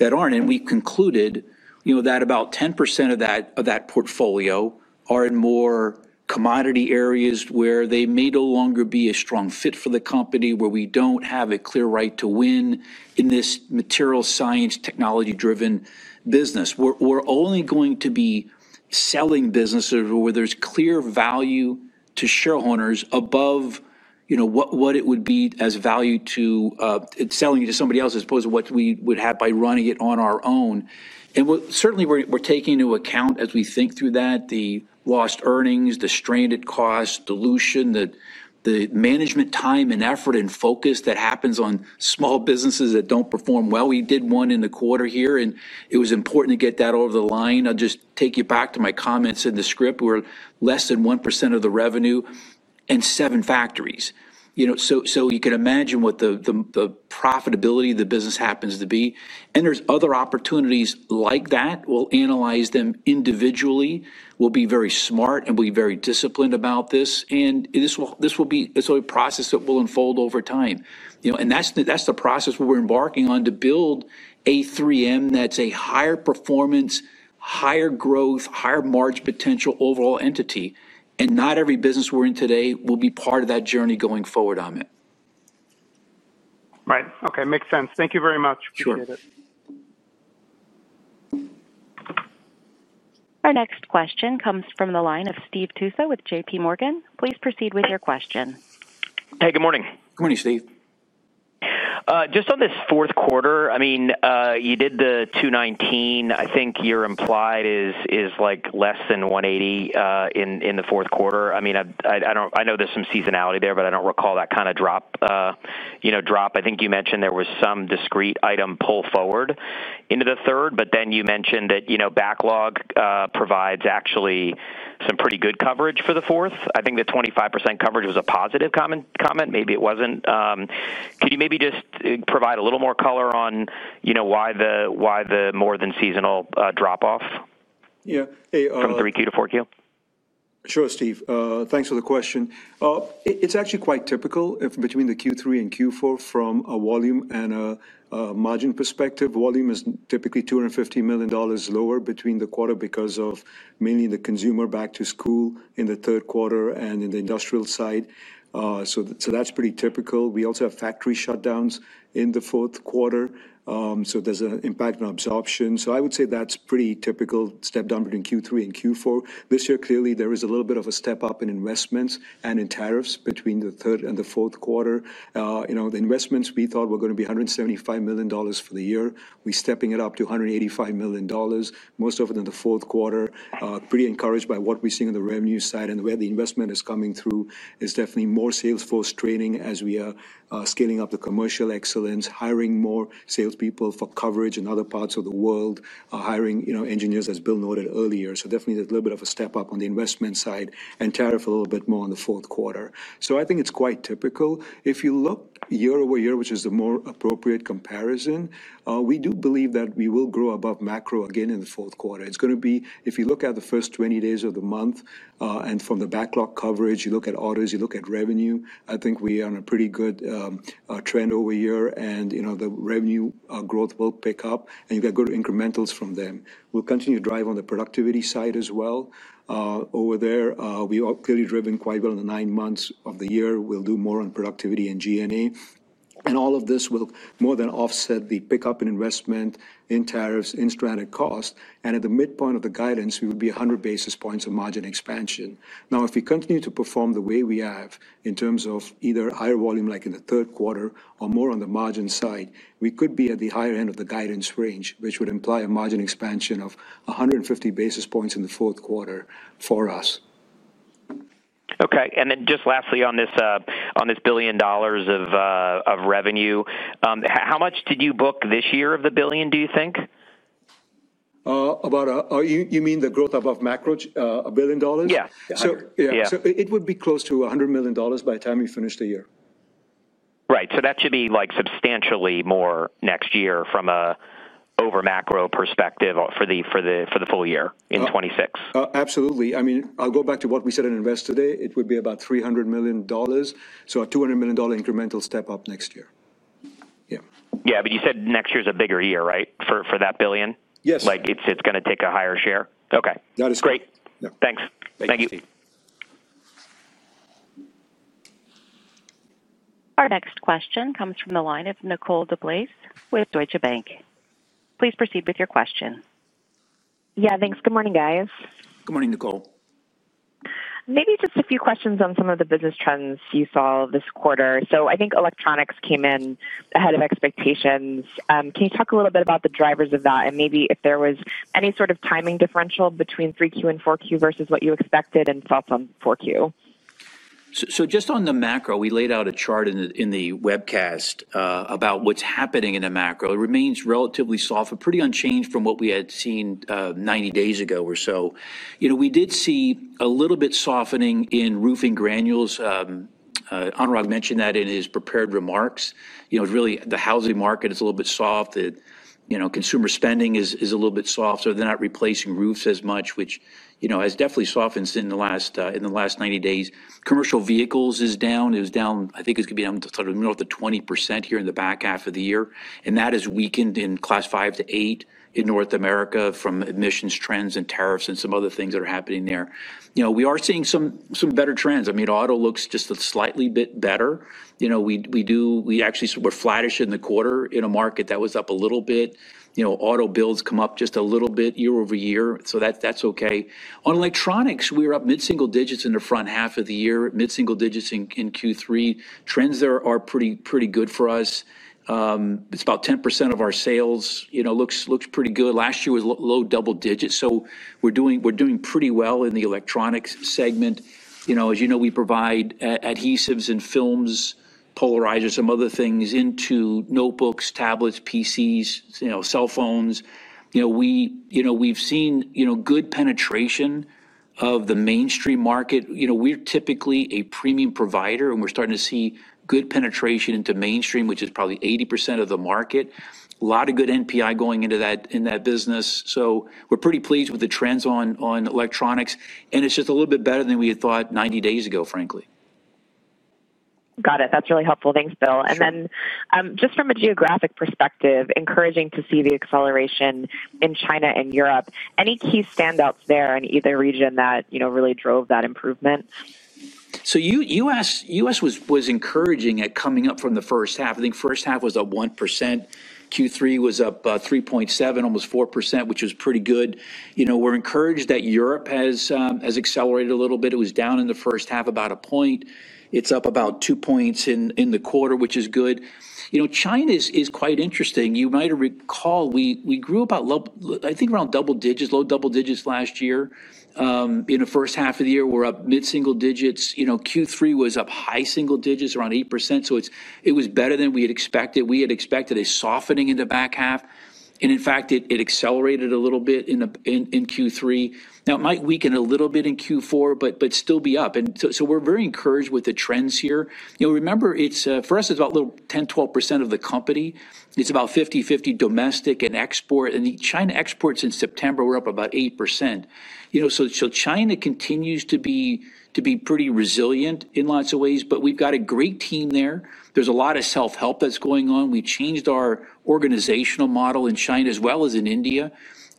Speaker 3: aren't. We concluded that about 10% of that portfolio are in more commodity areas where they may no longer be a strong fit for the company, where we don't have a clear right to win in this material science technology-driven business. We're only going to be selling businesses where there's clear value to shareholders above what it would be as value to selling it to somebody else as opposed to what we would have by running it on our own. Certainly we're taking into account as we think through that, the lost earnings, the stranded cost dilution, the management time and effort and focus that happens on small businesses that don't perform well. We did one in the quarter here and it was important to get that over the line. I'll just take you back to my comments in the script where less than 1% of the revenue and seven factories. You can imagine what the profitability of the business happens to be. There are other opportunities like that. We'll analyze them individually. We'll be very smart and be very disciplined about this. This will be a process that will unfold over time. That's the process we're embarking on to build a 3M that's a higher performance, higher growth, higher margin potential overall entity. Not every business we're in today will be part of that journey going forward, Amit.
Speaker 7: Right. Okay, makes sense. Thank you very much. Appreciate it.
Speaker 1: Our next question comes from the line of Steve Tusa with JP Morgan. Please proceed with your question.
Speaker 8: Hey, good morning.
Speaker 3: Good morning, Steve.
Speaker 8: Just on this fourth quarter, I mean, you did the $2.19. I think your implied is like less than $1.80 in the fourth quarter. I know there's some seasonality there, but I don't recall that kind of drop. I think you mentioned there was some discrete item pull forward into the third, but then you mentioned that backlog provides actually some pretty good coverage for the fourth. I think the 25% coverage was a positive comment. Maybe it wasn't. Can you maybe just provide a little more color on why the more than seasonal drop-off?
Speaker 4: Yeah.
Speaker 8: From 3Q to 4Q?
Speaker 4: Sure, Steve. Thanks for the question. It's actually quite typical between the Q3 and Q4 from a volume and a margin perspective. Volume is typically $250 million lower between the quarter because of mainly the consumer back to school in the third quarter and in the industrial side. That's pretty typical. We also have factory shutdowns in the fourth quarter, so there's an impact on absorption. I would say that's a pretty typical step down between Q3 and Q4. This year, clearly there is a little bit of a step up in investments and in tariffs between the third and the fourth quarter. The investments we thought were going to be $175 million for the year. We're stepping it up to $185 million, most of it in the fourth quarter, pretty encouraged by what we're seeing on the revenue side and where the investment is coming through. There's definitely more salesforce training as we are scaling up the commercial excellence, hiring more salespeople for coverage in other parts of the world, hiring, you know, engineers as Bill noted earlier. There's a little bit of a step up on the investment side and tariff a little bit more in the fourth quarter. I think it's quite typical. If you look year-over-year, which is the more appropriate comparison, we do believe that we will grow above macro again in the fourth quarter. If you look at the first 20 days of the month and from the backlog coverage, you look at orders, you look at revenue, I think we are on a pretty good trend over year and, you know, the revenue growth will pick up and you've got good incrementals from them. We'll continue to drive on the productivity side as well. Over there, we've clearly driven quite well in the nine months of the year. We'll do more on productivity and G&A. All of this will more than offset the pickup in investment, in tariffs, in stranded cost. At the midpoint of the guidance, we would be 100 basis points of margin expansion. If we continue to perform the way we have in terms of either higher volume like in the third quarter or more on the margin side, we could be at the higher end of the guidance range, which would imply a margin expansion of 150 basis points in the fourth quarter for us.
Speaker 8: Okay. Lastly, on this billion dollars of revenue, how much did you book this year of the billion, do you think?
Speaker 4: About, you mean the growth above macro, $1 billion?
Speaker 8: Yeah.
Speaker 4: It would be close to $100 million by the time we finish the year.
Speaker 8: Right. That should be substantially more next year from an over-macro perspective for the full year in 2026.
Speaker 4: Absolutely. I mean, I'll go back to what we said in Investor Day, it would be about $300 million, a $200 million incremental step up next year.
Speaker 8: Yeah, you said next year is a bigger year, right? For that billion?
Speaker 4: Yes.
Speaker 8: Like it's going to take a higher share. Okay.
Speaker 4: That is correct.
Speaker 8: Great. Thanks.
Speaker 4: Thank you.
Speaker 1: Our next question comes from the line of Nicole DeBlase with Deutsche Bank. Please proceed with your question.
Speaker 9: Yeah, thanks. Good morning, guys.
Speaker 3: Good morning, Nicole.
Speaker 9: Maybe just a few questions on some of the business trends you saw this quarter. I think electronics came in ahead of expectations. Can you talk a little bit about the drivers of that and maybe if there was any sort of timing differential between 3Q and 4Q versus what you expected and thoughts on 4Q?
Speaker 3: On the macro, we laid out a chart in the webcast about what's happening in the macro. It remains relatively soft, pretty unchanged from what we had seen 90 days ago or so. We did see a little bit of softening in roofing granules. Anurag mentioned that in his prepared remarks. It's really the housing market, it's a little bit soft. Consumer spending is a little bit soft, so they're not replacing roofs as much, which has definitely softened in the last 90 days. Commercial vehicles are down. It was down, I think it's going to be down north of 20% here in the back half of the year. That has weakened in class five to eight in North America from emissions trends and tariffs and some other things that are happening there. We are seeing some better trends. Auto looks just a slightly bit better. We actually were flattish in the quarter in a market that was up a little bit. Auto builds come up just a little bit year-over-year, so that's okay. On electronics, we're up mid-single digits in the front half of the year, mid-single digits in Q3. Trends there are pretty good for us. It's about 10% of our sales, looks pretty good. Last year was low double digits, so we're doing pretty well in the electronics segment. As you know, we provide adhesives and films, polarizers, some other things into notebooks, tablets, PCs, cell phones. We've seen good penetration of the mainstream market. We're typically a premium provider and we're starting to see good penetration into mainstream, which is probably 80% of the market. A lot of good NPI going into that business. We're pretty pleased with the trends on electronics. It's just a little bit better than we had thought 90 days ago, frankly.
Speaker 9: Got it. That's really helpful. Thanks, Bill. Just from a geographic perspective, encouraging to see the acceleration in China and Europe. Any key standouts there in either region that really drove that improvement?
Speaker 3: The U.S. was encouraging at coming up from the first half. I think the first half was up 1%. Q3 was up 3.7%, almost 4%, which was pretty good. We're encouraged that Europe has accelerated a little bit. It was down in the first half about a point. It's up about 2% in the quarter, which is good. China is quite interesting. You might recall we grew about, I think, around double digits, low double digits last year. In the first half of the year, we're up mid-single digits. Q3 was up high single digits, around 8%. It was better than we had expected. We had expected a softening in the back half. In fact, it accelerated a little bit in Q3. It might weaken a little bit in Q4, but still be up. We're very encouraged with the trends here. Remember, for us, it's about a little 10%, 12% of the company. It's about 50/50 domestic and export. China exports in September were up about 8%. China continues to be pretty resilient in lots of ways, but we've got a great team there. There's a lot of self-help that's going on. We changed our organizational model in China as well as in India.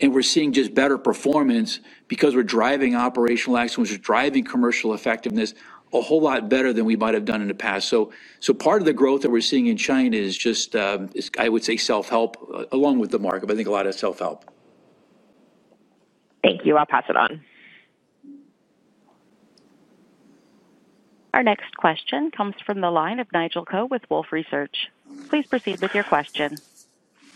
Speaker 3: We're seeing just better performance because we're driving operational excellence, we're driving commercial effectiveness a whole lot better than we might have done in the past. Part of the growth that we're seeing in China is just, I would say, self-help along with the market. I think a lot of self-help.
Speaker 9: Thank you. I'll pass it on.
Speaker 1: Our next question comes from the line of Nigel Coe with Wolfe Research. Please proceed with your question.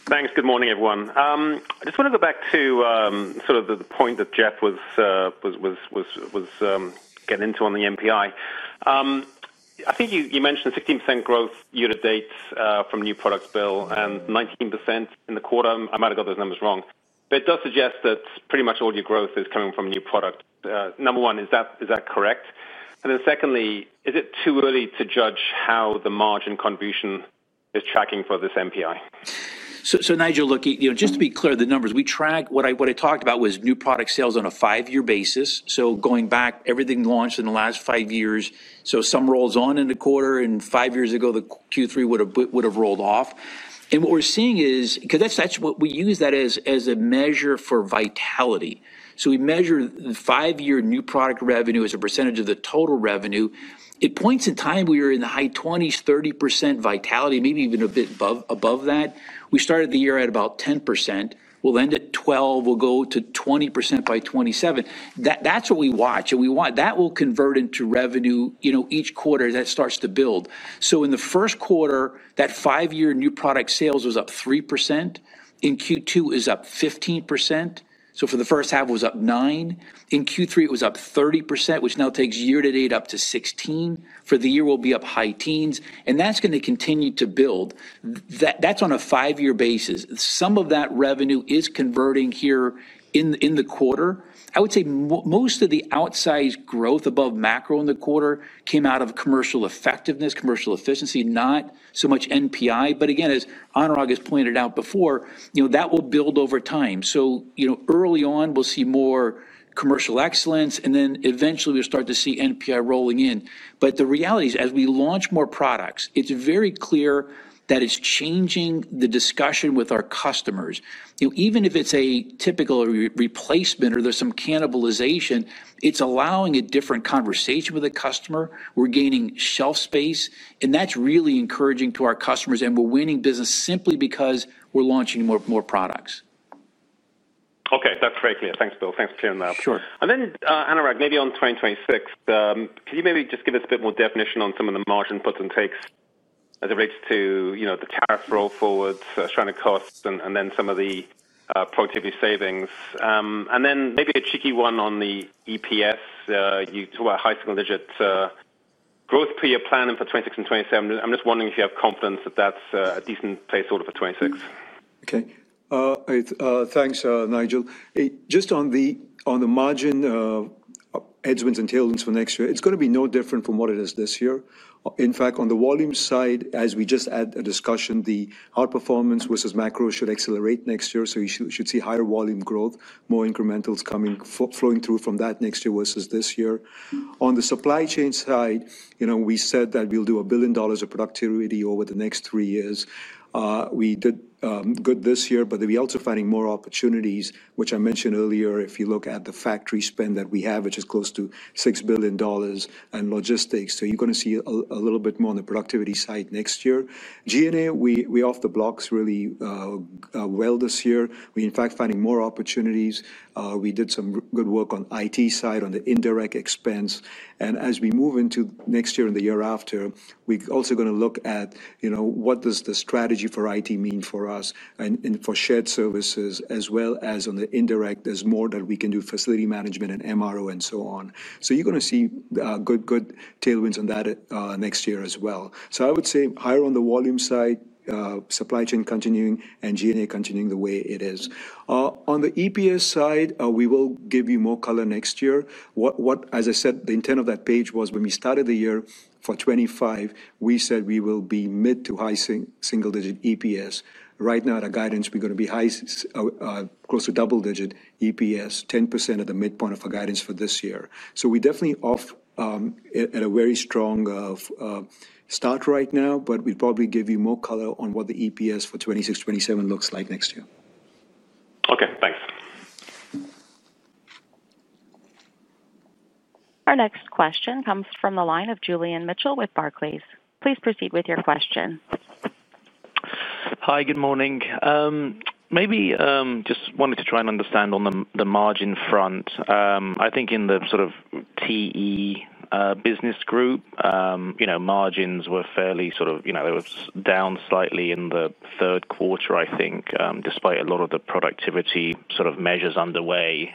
Speaker 10: Thanks. Good morning, everyone. I just want to go back to the point that Jeff was getting into on the NPI. I think you mentioned 16% growth year to date from new products, Bill, and 19% in the quarter. I might have got those numbers wrong. It does suggest that pretty much all your growth is coming from new product. Number one, is that correct? Secondly, is it too early to judge how the margin contribution is tracking for this NPI?
Speaker 3: Nigel, look, just to be clear, the numbers we track, what I talked about was new product sales on a five-year basis. Going back, everything launched in the last five years. Some rolls on in the quarter and five years ago, the Q3 would have rolled off. What we're seeing is, because that's what we use as a measure for vitality, we measure the five-year new product revenue as a percentage of the total revenue. At points in time, we are in the high 20s, 30% vitality, maybe even a bit above that. We started the year at about 10%. We'll end at 12%. We'll go to 20% by 2027. That's what we watch, and we want that will convert into revenue each quarter that starts to build. In the first quarter, that five-year new product sales was up 3%. In Q2, it was up 15%. For the first half, it was up 9%. In Q3, it was up 30%, which now takes year-to-date up to 16%. For the year, we'll be up high teens, and that's going to continue to build. That's on a five-year basis. Some of that revenue is converting here in the quarter. I would say most of the outsized growth above macro in the quarter came out of commercial effectiveness, commercial efficiency, not so much NPI. As Anurag has pointed out before, that will build over time. Early on, we'll see more commercial excellence, and then eventually, we'll start to see NPI rolling in. The reality is, as we launch more products, it's very clear that it's changing the discussion with our customers. Even if it's a typical replacement or there's some cannibalization, it's allowing a different conversation with a customer. We're gaining shelf space, and that's really encouraging to our customers. We're winning business simply because we're launching more products.
Speaker 10: Okay, that's very clear. Thanks, Bill. Thanks for clearing that up.
Speaker 3: Sure.
Speaker 10: Anurag, maybe on 2026, could you maybe just give us a bit more definition on some of the margin puts and takes as it relates to the tariffs roll forward, stranded costs, and then some of the productivity savings? Maybe a cheeky one on the EPS. You talk about high single-digit growth per year planning for 2026 and 2027. I'm just wondering if you have confidence that that's a decent place order for 2026.
Speaker 4: Okay. Thanks, Nigel. Just on the margin of edgements and tailwinds for next year, it's going to be no different from what it is this year. In fact, on the volume side, as we just had a discussion, the hard performance versus macro should accelerate next year. You should see higher volume growth, more incrementals coming, flowing through from that next year versus this year. On the supply chain side, we said that we'll do $1 billion of productivity over the next three years. We did good this year, but we're also finding more opportunities, which I mentioned earlier. If you look at the factory spend that we have, which is close to $6 billion and logistics, you're going to see a little bit more on the productivity side next year. G&A, we're off the blocks really well this year. We're, in fact, finding more opportunities. We did some good work on the IT side, on the indirect expense. As we move into next year and the year after, we're also going to look at, you know, what does the strategy for IT mean for us and for shared services, as well as on the indirect, there's more that we can do, facility management and MRO and so on. You're going to see good tailwinds on that next year as well. I would say higher on the volume side, supply chain continuing and G&A continuing the way it is. On the EPS side, we will give you more color next year. What, as I said, the intent of that page was when we started the year for 2025, we said we will be mid to high single-digit EPS. Right now, at a guidance, we're going to be high, close to double-digit EPS, 10% at the midpoint of a guidance for this year. We're definitely off at a very strong start right now, but we'll probably give you more color on what the EPS for 2026, 2027 looks like next year.
Speaker 10: Okay, thanks.
Speaker 1: Our next question comes from the line of Julian Mitchell with Barclays. Please proceed with your question.
Speaker 11: Hi, good morning. Maybe just wanted to try and understand on the margin front. I think in the sort of TE business group, you know, margins were fairly sort of, you know, they were down slightly in the third quarter, I think, despite a lot of the productivity sort of measures underway.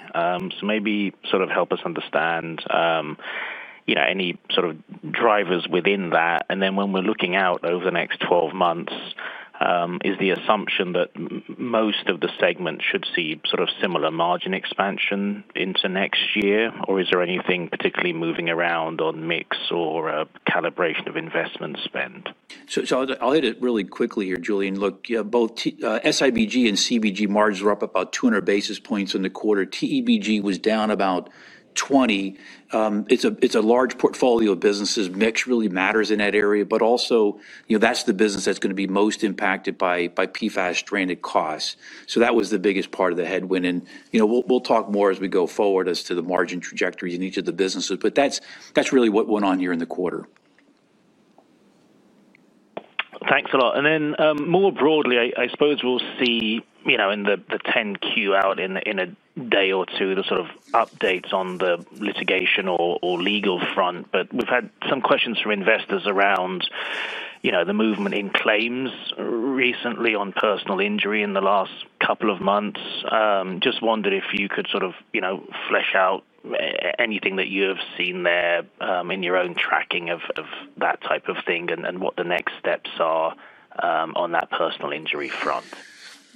Speaker 11: Maybe help us understand, you know, any sort of drivers within that. When we're looking out over the next 12 months, is the assumption that most of the segment should see sort of similar margin expansion into next year, or is there anything particularly moving around on mix or a calibration of investment spend?
Speaker 3: I'll hit it really quickly here, Julian. Look, both SIBG and CBG margins were up about 200 basis points in the quarter. TEBG was down about 20. It's a large portfolio of businesses. Mix really matters in that area, but also, you know, that's the business that's going to be most impacted by PFAS stranded costs. That was the biggest part of the headwind. You know, we'll talk more as we go forward as to the margin trajectories in each of the businesses, but that's really what went on here in the quarter.
Speaker 11: Thanks a lot. I suppose we'll see in the 10Q out in a day or two updates on the litigation or legal front. We've had some questions from investors around the movement in claims recently on personal injury in the last couple of months. Just wondered if you could flesh out anything that you have seen there in your own tracking of that type of thing and what the next steps are on that personal injury front.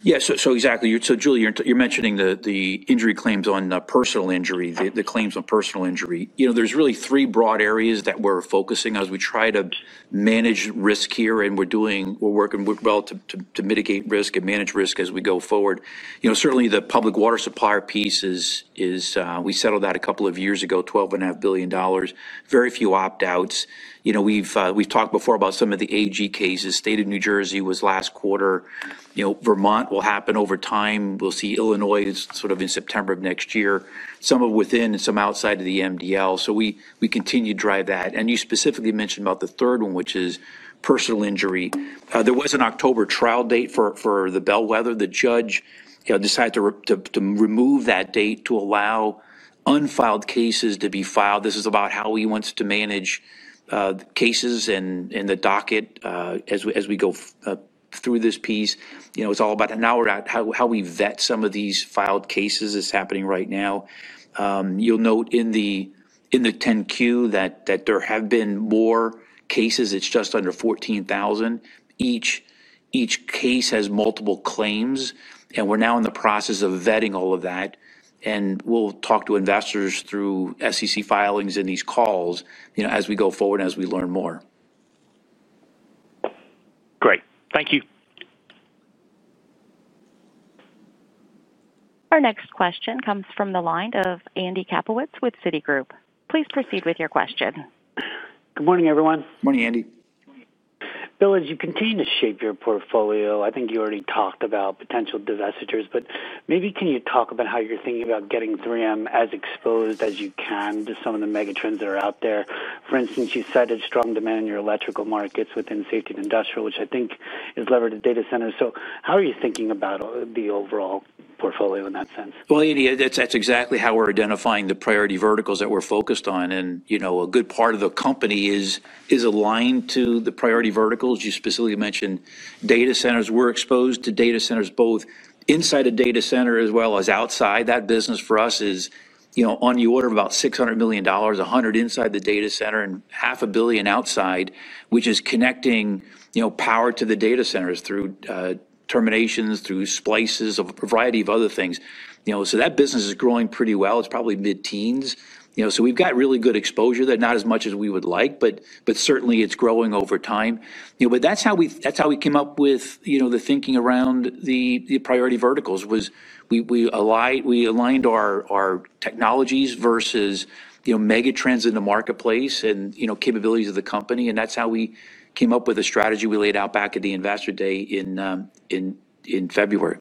Speaker 3: Yeah, exactly. Julian, you're mentioning the injury claims on personal injury, the claims on personal injury. There are really three broad areas that we're focusing on as we try to manage risk here, and we're working well to mitigate risk and manage risk as we go forward. Certainly, the public water supplier piece is, we settled that a couple of years ago, $12.5 billion, very few opt-outs. We've talked before about some of the AG cases. State of New Jersey was last quarter. Vermont will happen over time. We'll see Illinois in September of next year, some of it within and some outside of the MDL. We continue to drive that. You specifically mentioned the third one, which is personal injury. There was an October trial date for the bellwether. The judge decided to remove that date to allow unfiled cases to be filed. This is about how he wants to manage cases and the docket as we go through this piece. It's all about how we vet some of these filed cases that's happening right now. You'll note in the 10Q that there have been more cases. It's just under 14,000. Each case has multiple claims, and we're now in the process of vetting all of that. We'll talk to investors through SEC filings in these calls as we go forward and as we learn more.
Speaker 11: Great. Thank you.
Speaker 1: Our next question comes from the line of Andy Kaplowitz with Citigroup. Please proceed with your question.
Speaker 12: Good morning, everyone.
Speaker 3: Morning, Andy.
Speaker 12: Bill, as you continue to shape your portfolio, I think you already talked about potential divestitures, but maybe can you talk about how you're thinking about getting 3M as exposed as you can to some of the megatrends that are out there? For instance, you cited strong demand in your electrical markets within Safety and Industrial, which I think is leveraged at data centers. How are you thinking about the overall portfolio in that sense?
Speaker 3: That's exactly how we're identifying the priority verticals that we're focused on. A good part of the company is aligned to the priority verticals. You specifically mentioned data centers. We're exposed to data centers both inside a data center as well as outside. That business for us is on the order of about $600 million, $100 million inside the data center and half a billion outside, which is connecting power to the data centers through terminations, through splices, a variety of other things. That business is growing pretty well. It's probably mid-teens. We've got really good exposure there, not as much as we would like, but certainly it's growing over time. That's how we came up with the thinking around the priority verticals. We aligned our technologies versus megatrends in the marketplace and capabilities of the company. That's how we came up with a strategy we laid out back at the Investor Day in February.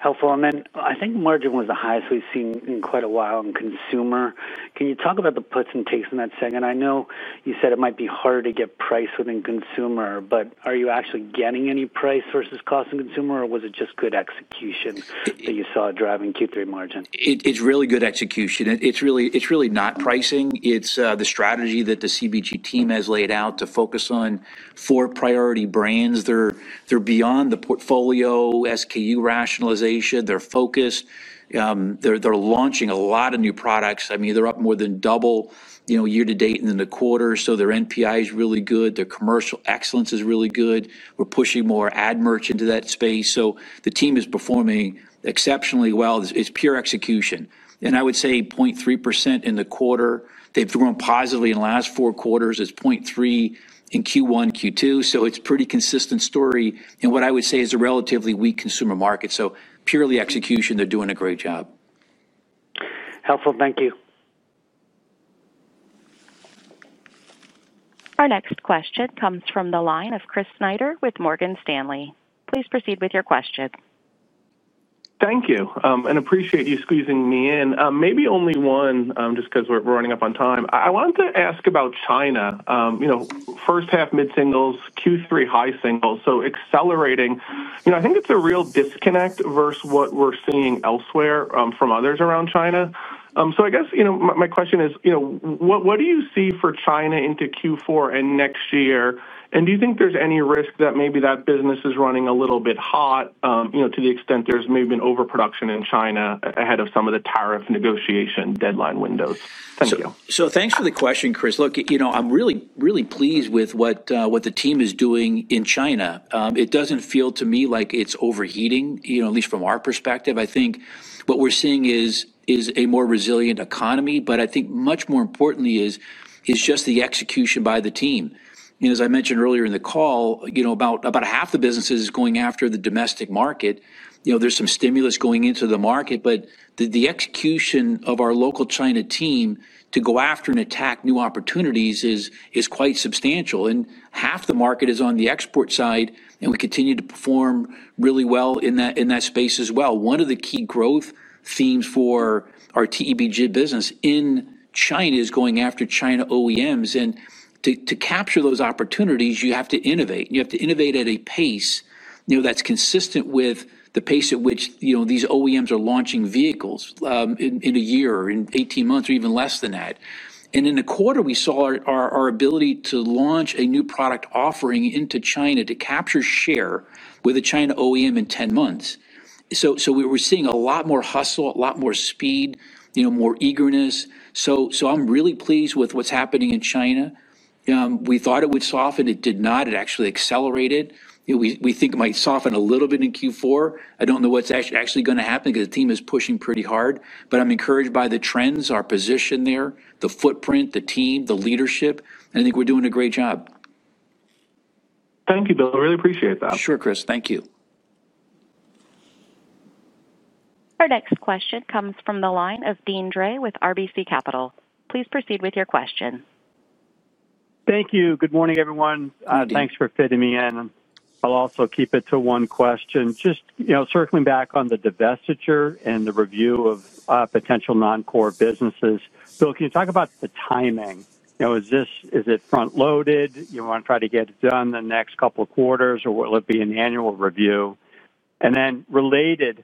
Speaker 12: Helpful. I think margin was the highest we've seen in quite a while in consumer. Can you talk about the puts and takes in that segment? I know you said it might be harder to get price within consumer, but are you actually getting any price versus cost in consumer, or was it just good execution that you saw driving Q3 margin?
Speaker 3: It's really good execution. It's really not pricing. It's the strategy that the CBG team has laid out to focus on four priority brands. They're beyond the portfolio SKU rationalization. They're focused. They're launching a lot of new products. I mean, they're up more than double, you know, year to date in the quarter. Their NPI is really good. Their commercial excellence is really good. We're pushing more ad merch into that space. The team is performing exceptionally well. It's pure execution. I would say 0.3% in the quarter. They've grown positively in the last four quarters. It's 0.3% in Q1 and Q2. It's a pretty consistent story in what I would say is a relatively weak consumer market. Purely execution, they're doing a great job.
Speaker 12: Helpful. Thank you.
Speaker 1: Our next question comes from the line of Chris Snyder with Morgan Stanley. Please proceed with your question.
Speaker 13: Thank you. I appreciate you squeezing me in. Maybe only one, just because we're running up on time. I wanted to ask about China. First half mid-singles, Q3 high singles. Accelerating, I think it's a real disconnect versus what we're seeing elsewhere from others around China. My question is, what do you see for China into Q4 and next year? Do you think there's any risk that maybe that business is running a little bit hot, to the extent there's maybe an overproduction in China ahead of some of the tariff negotiation deadline windows? Thank you.
Speaker 3: Thanks for the question, Chris. Look, I'm really, really pleased with what the team is doing in China. It doesn't feel to me like it's overheating, at least from our perspective. I think what we're seeing is a more resilient economy. I think much more importantly is just the execution by the team. As I mentioned earlier in the call, about half the business is going after the domestic market. There's some stimulus going into the market, but the execution of our local China team to go after and attack new opportunities is quite substantial. Half the market is on the export side, and we continue to perform really well in that space as well. One of the key growth themes for our TEBG business in China is going after China OEMs. To capture those opportunities, you have to innovate. You have to innovate at a pace. That's consistent with the pace at which these OEMs are launching vehicles in a year or in 18 months or even less than that. In a quarter, we saw our ability to launch a new product offering into China to capture share with a China OEM in 10 months. We're seeing a lot more hustle, a lot more speed, more eagerness. I'm really pleased with what's happening in China. We thought it would soften, it did not. It actually accelerated. We think it might soften a little bit in Q4. I don't know what's actually going to happen because the team is pushing pretty hard. I'm encouraged by the trends, our position there, the footprint, the team, the leadership. I think we're doing a great job.
Speaker 13: Thank you, Bill. Really appreciate that.
Speaker 3: Sure, Chris. Thank you.
Speaker 1: Our next question comes from the line of Deane Dray with RBC Capital. Please proceed with your question.
Speaker 14: Thank you. Good morning, everyone. Thanks for fitting me in. I'll also keep it to one question. Circling back on the divestiture and the review of potential non-core businesses, Bill, can you talk about the timing? Is this front loaded? You want to try to get it done in the next couple of quarters or will it be an annual review? Related,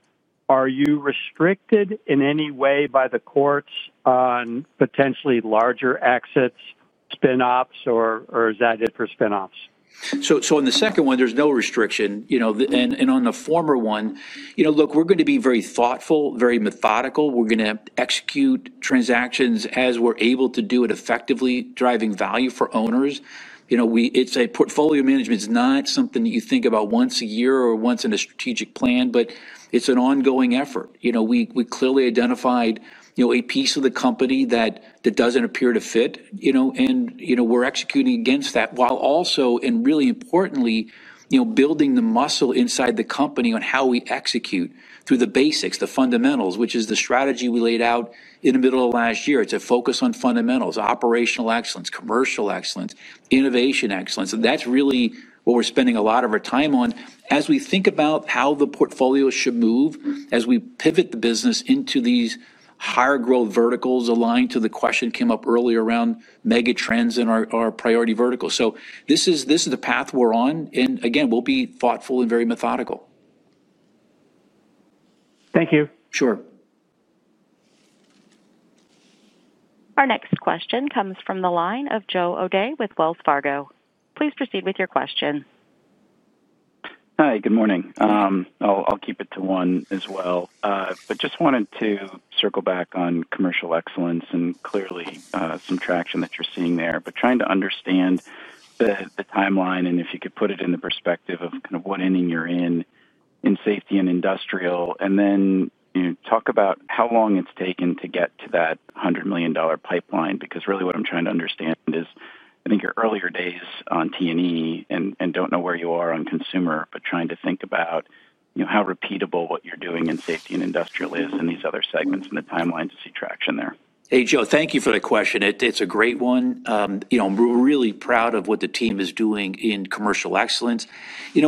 Speaker 14: are you restricted in any way by the courts on potentially larger exits, spin-offs, or is that for spin-offs?
Speaker 3: In the second one, there's no restriction. On the former one, we're going to be very thoughtful, very methodical. We're going to execute transactions as we're able to do it effectively, driving value for owners. It's portfolio management. It's not something that you think about once a year or once in a strategic plan, but it's an ongoing effort. We clearly identified a piece of the company that doesn't appear to fit, and we're executing against that while also, and really importantly, building the muscle inside the company on how we execute through the basics, the fundamentals, which is the strategy we laid out in the middle of last year. It's a focus on fundamentals, operational excellence, commercial excellence, innovation excellence. That's really what we're spending a lot of our time on as we think about how the portfolio should move as we pivot the business into these higher growth verticals aligned to the question that came up earlier around megatrends in our priority verticals. This is the path we're on. Again, we'll be thoughtful and very methodical.
Speaker 14: Thank you.
Speaker 3: Sure.
Speaker 1: Our next question comes from the line of Joe O'Dea with Wells Fargo. Please proceed with your question.
Speaker 15: Hi, good morning. I'll keep it to one as well. Just wanted to circle back on commercial excellence and clearly some traction that you're seeing there, but trying to understand the timeline and if you could put it in the perspective of kind of what ending you're in in Safety and Industrial. Then, you know, talk about how long it's taken to get to that $100 million pipeline because really what I'm trying to understand is I think your earlier days on T&E and don't know where you are on Consumer, but trying to think about how repeatable what you're doing in Safety and Industrial is in these other segments and the timeline to see traction there.
Speaker 3: Hey, Joe, thank you for the question. It's a great one. I'm really proud of what the team is doing in commercial excellence. We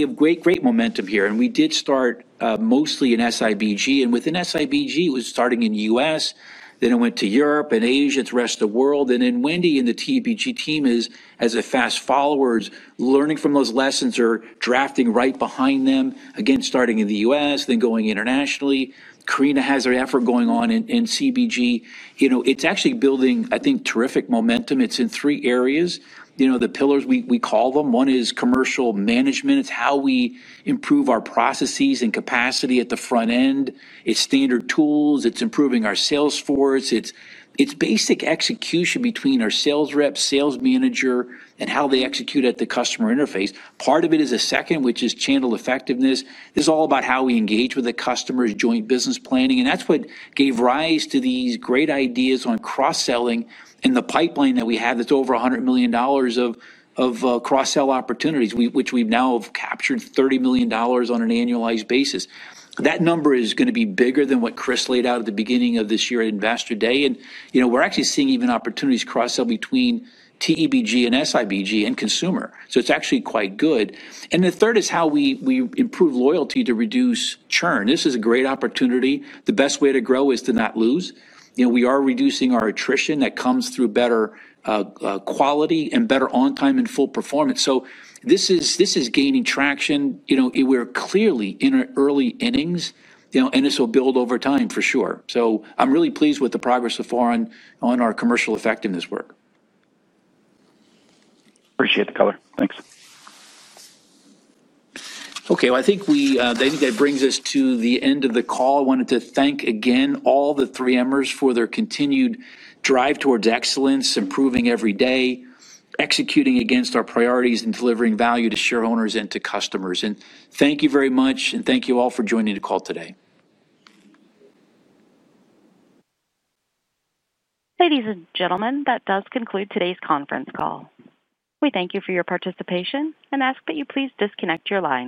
Speaker 3: have great momentum here and we did start mostly in SIBG, and within SIBG, it was starting in the U.S., then it went to Europe and Asia, the rest of the world. Wendy and the TBG team has a fast forward learning from those lessons or drafting right behind them, again starting in the U.S., then going internationally. Karina has an effort going on in CBG. It's actually building, I think, terrific momentum. It's in three areas, the pillars we call them. One is commercial management. It's how we improve our processes and capacity at the front end. It's standard tools. It's improving our salesforce. It's basic execution between our sales rep, sales manager, and how they execute at the customer interface. Part of it is a second, which is channel effectiveness. This is all about how we engage with the customer's joint business planning. That's what gave rise to these great ideas on cross-selling and the pipeline that we have that's over $100 million of cross-sell opportunities, which we've now captured $30 million on an annualized basis. That number is going to be bigger than what Chris laid out at the beginning of this year at Investor Day. We're actually seeing even opportunities cross-sell between TBG and SIBG and consumer. It's actually quite good. The third is how we improve loyalty to reduce churn. This is a great opportunity. The best way to grow is to not lose. We are reducing our attrition that comes through better quality and better on-time in full performance. This is gaining traction. We're clearly in early innings, and this will build over time for sure. I'm really pleased with the progress so far on our commercial effectiveness work.
Speaker 15: Appreciate the color. Thanks.
Speaker 3: Okay, I think that brings us to the end of the call. I wanted to thank again all the 3Mers for their continued drive towards excellence, improving every day, executing against our priorities, and delivering value to shareholders and to customers. Thank you very much, and thank you all for joining the call today.
Speaker 1: Ladies and gentlemen, that does conclude today's conference call. We thank you for your participation and ask that you please disconnect your line.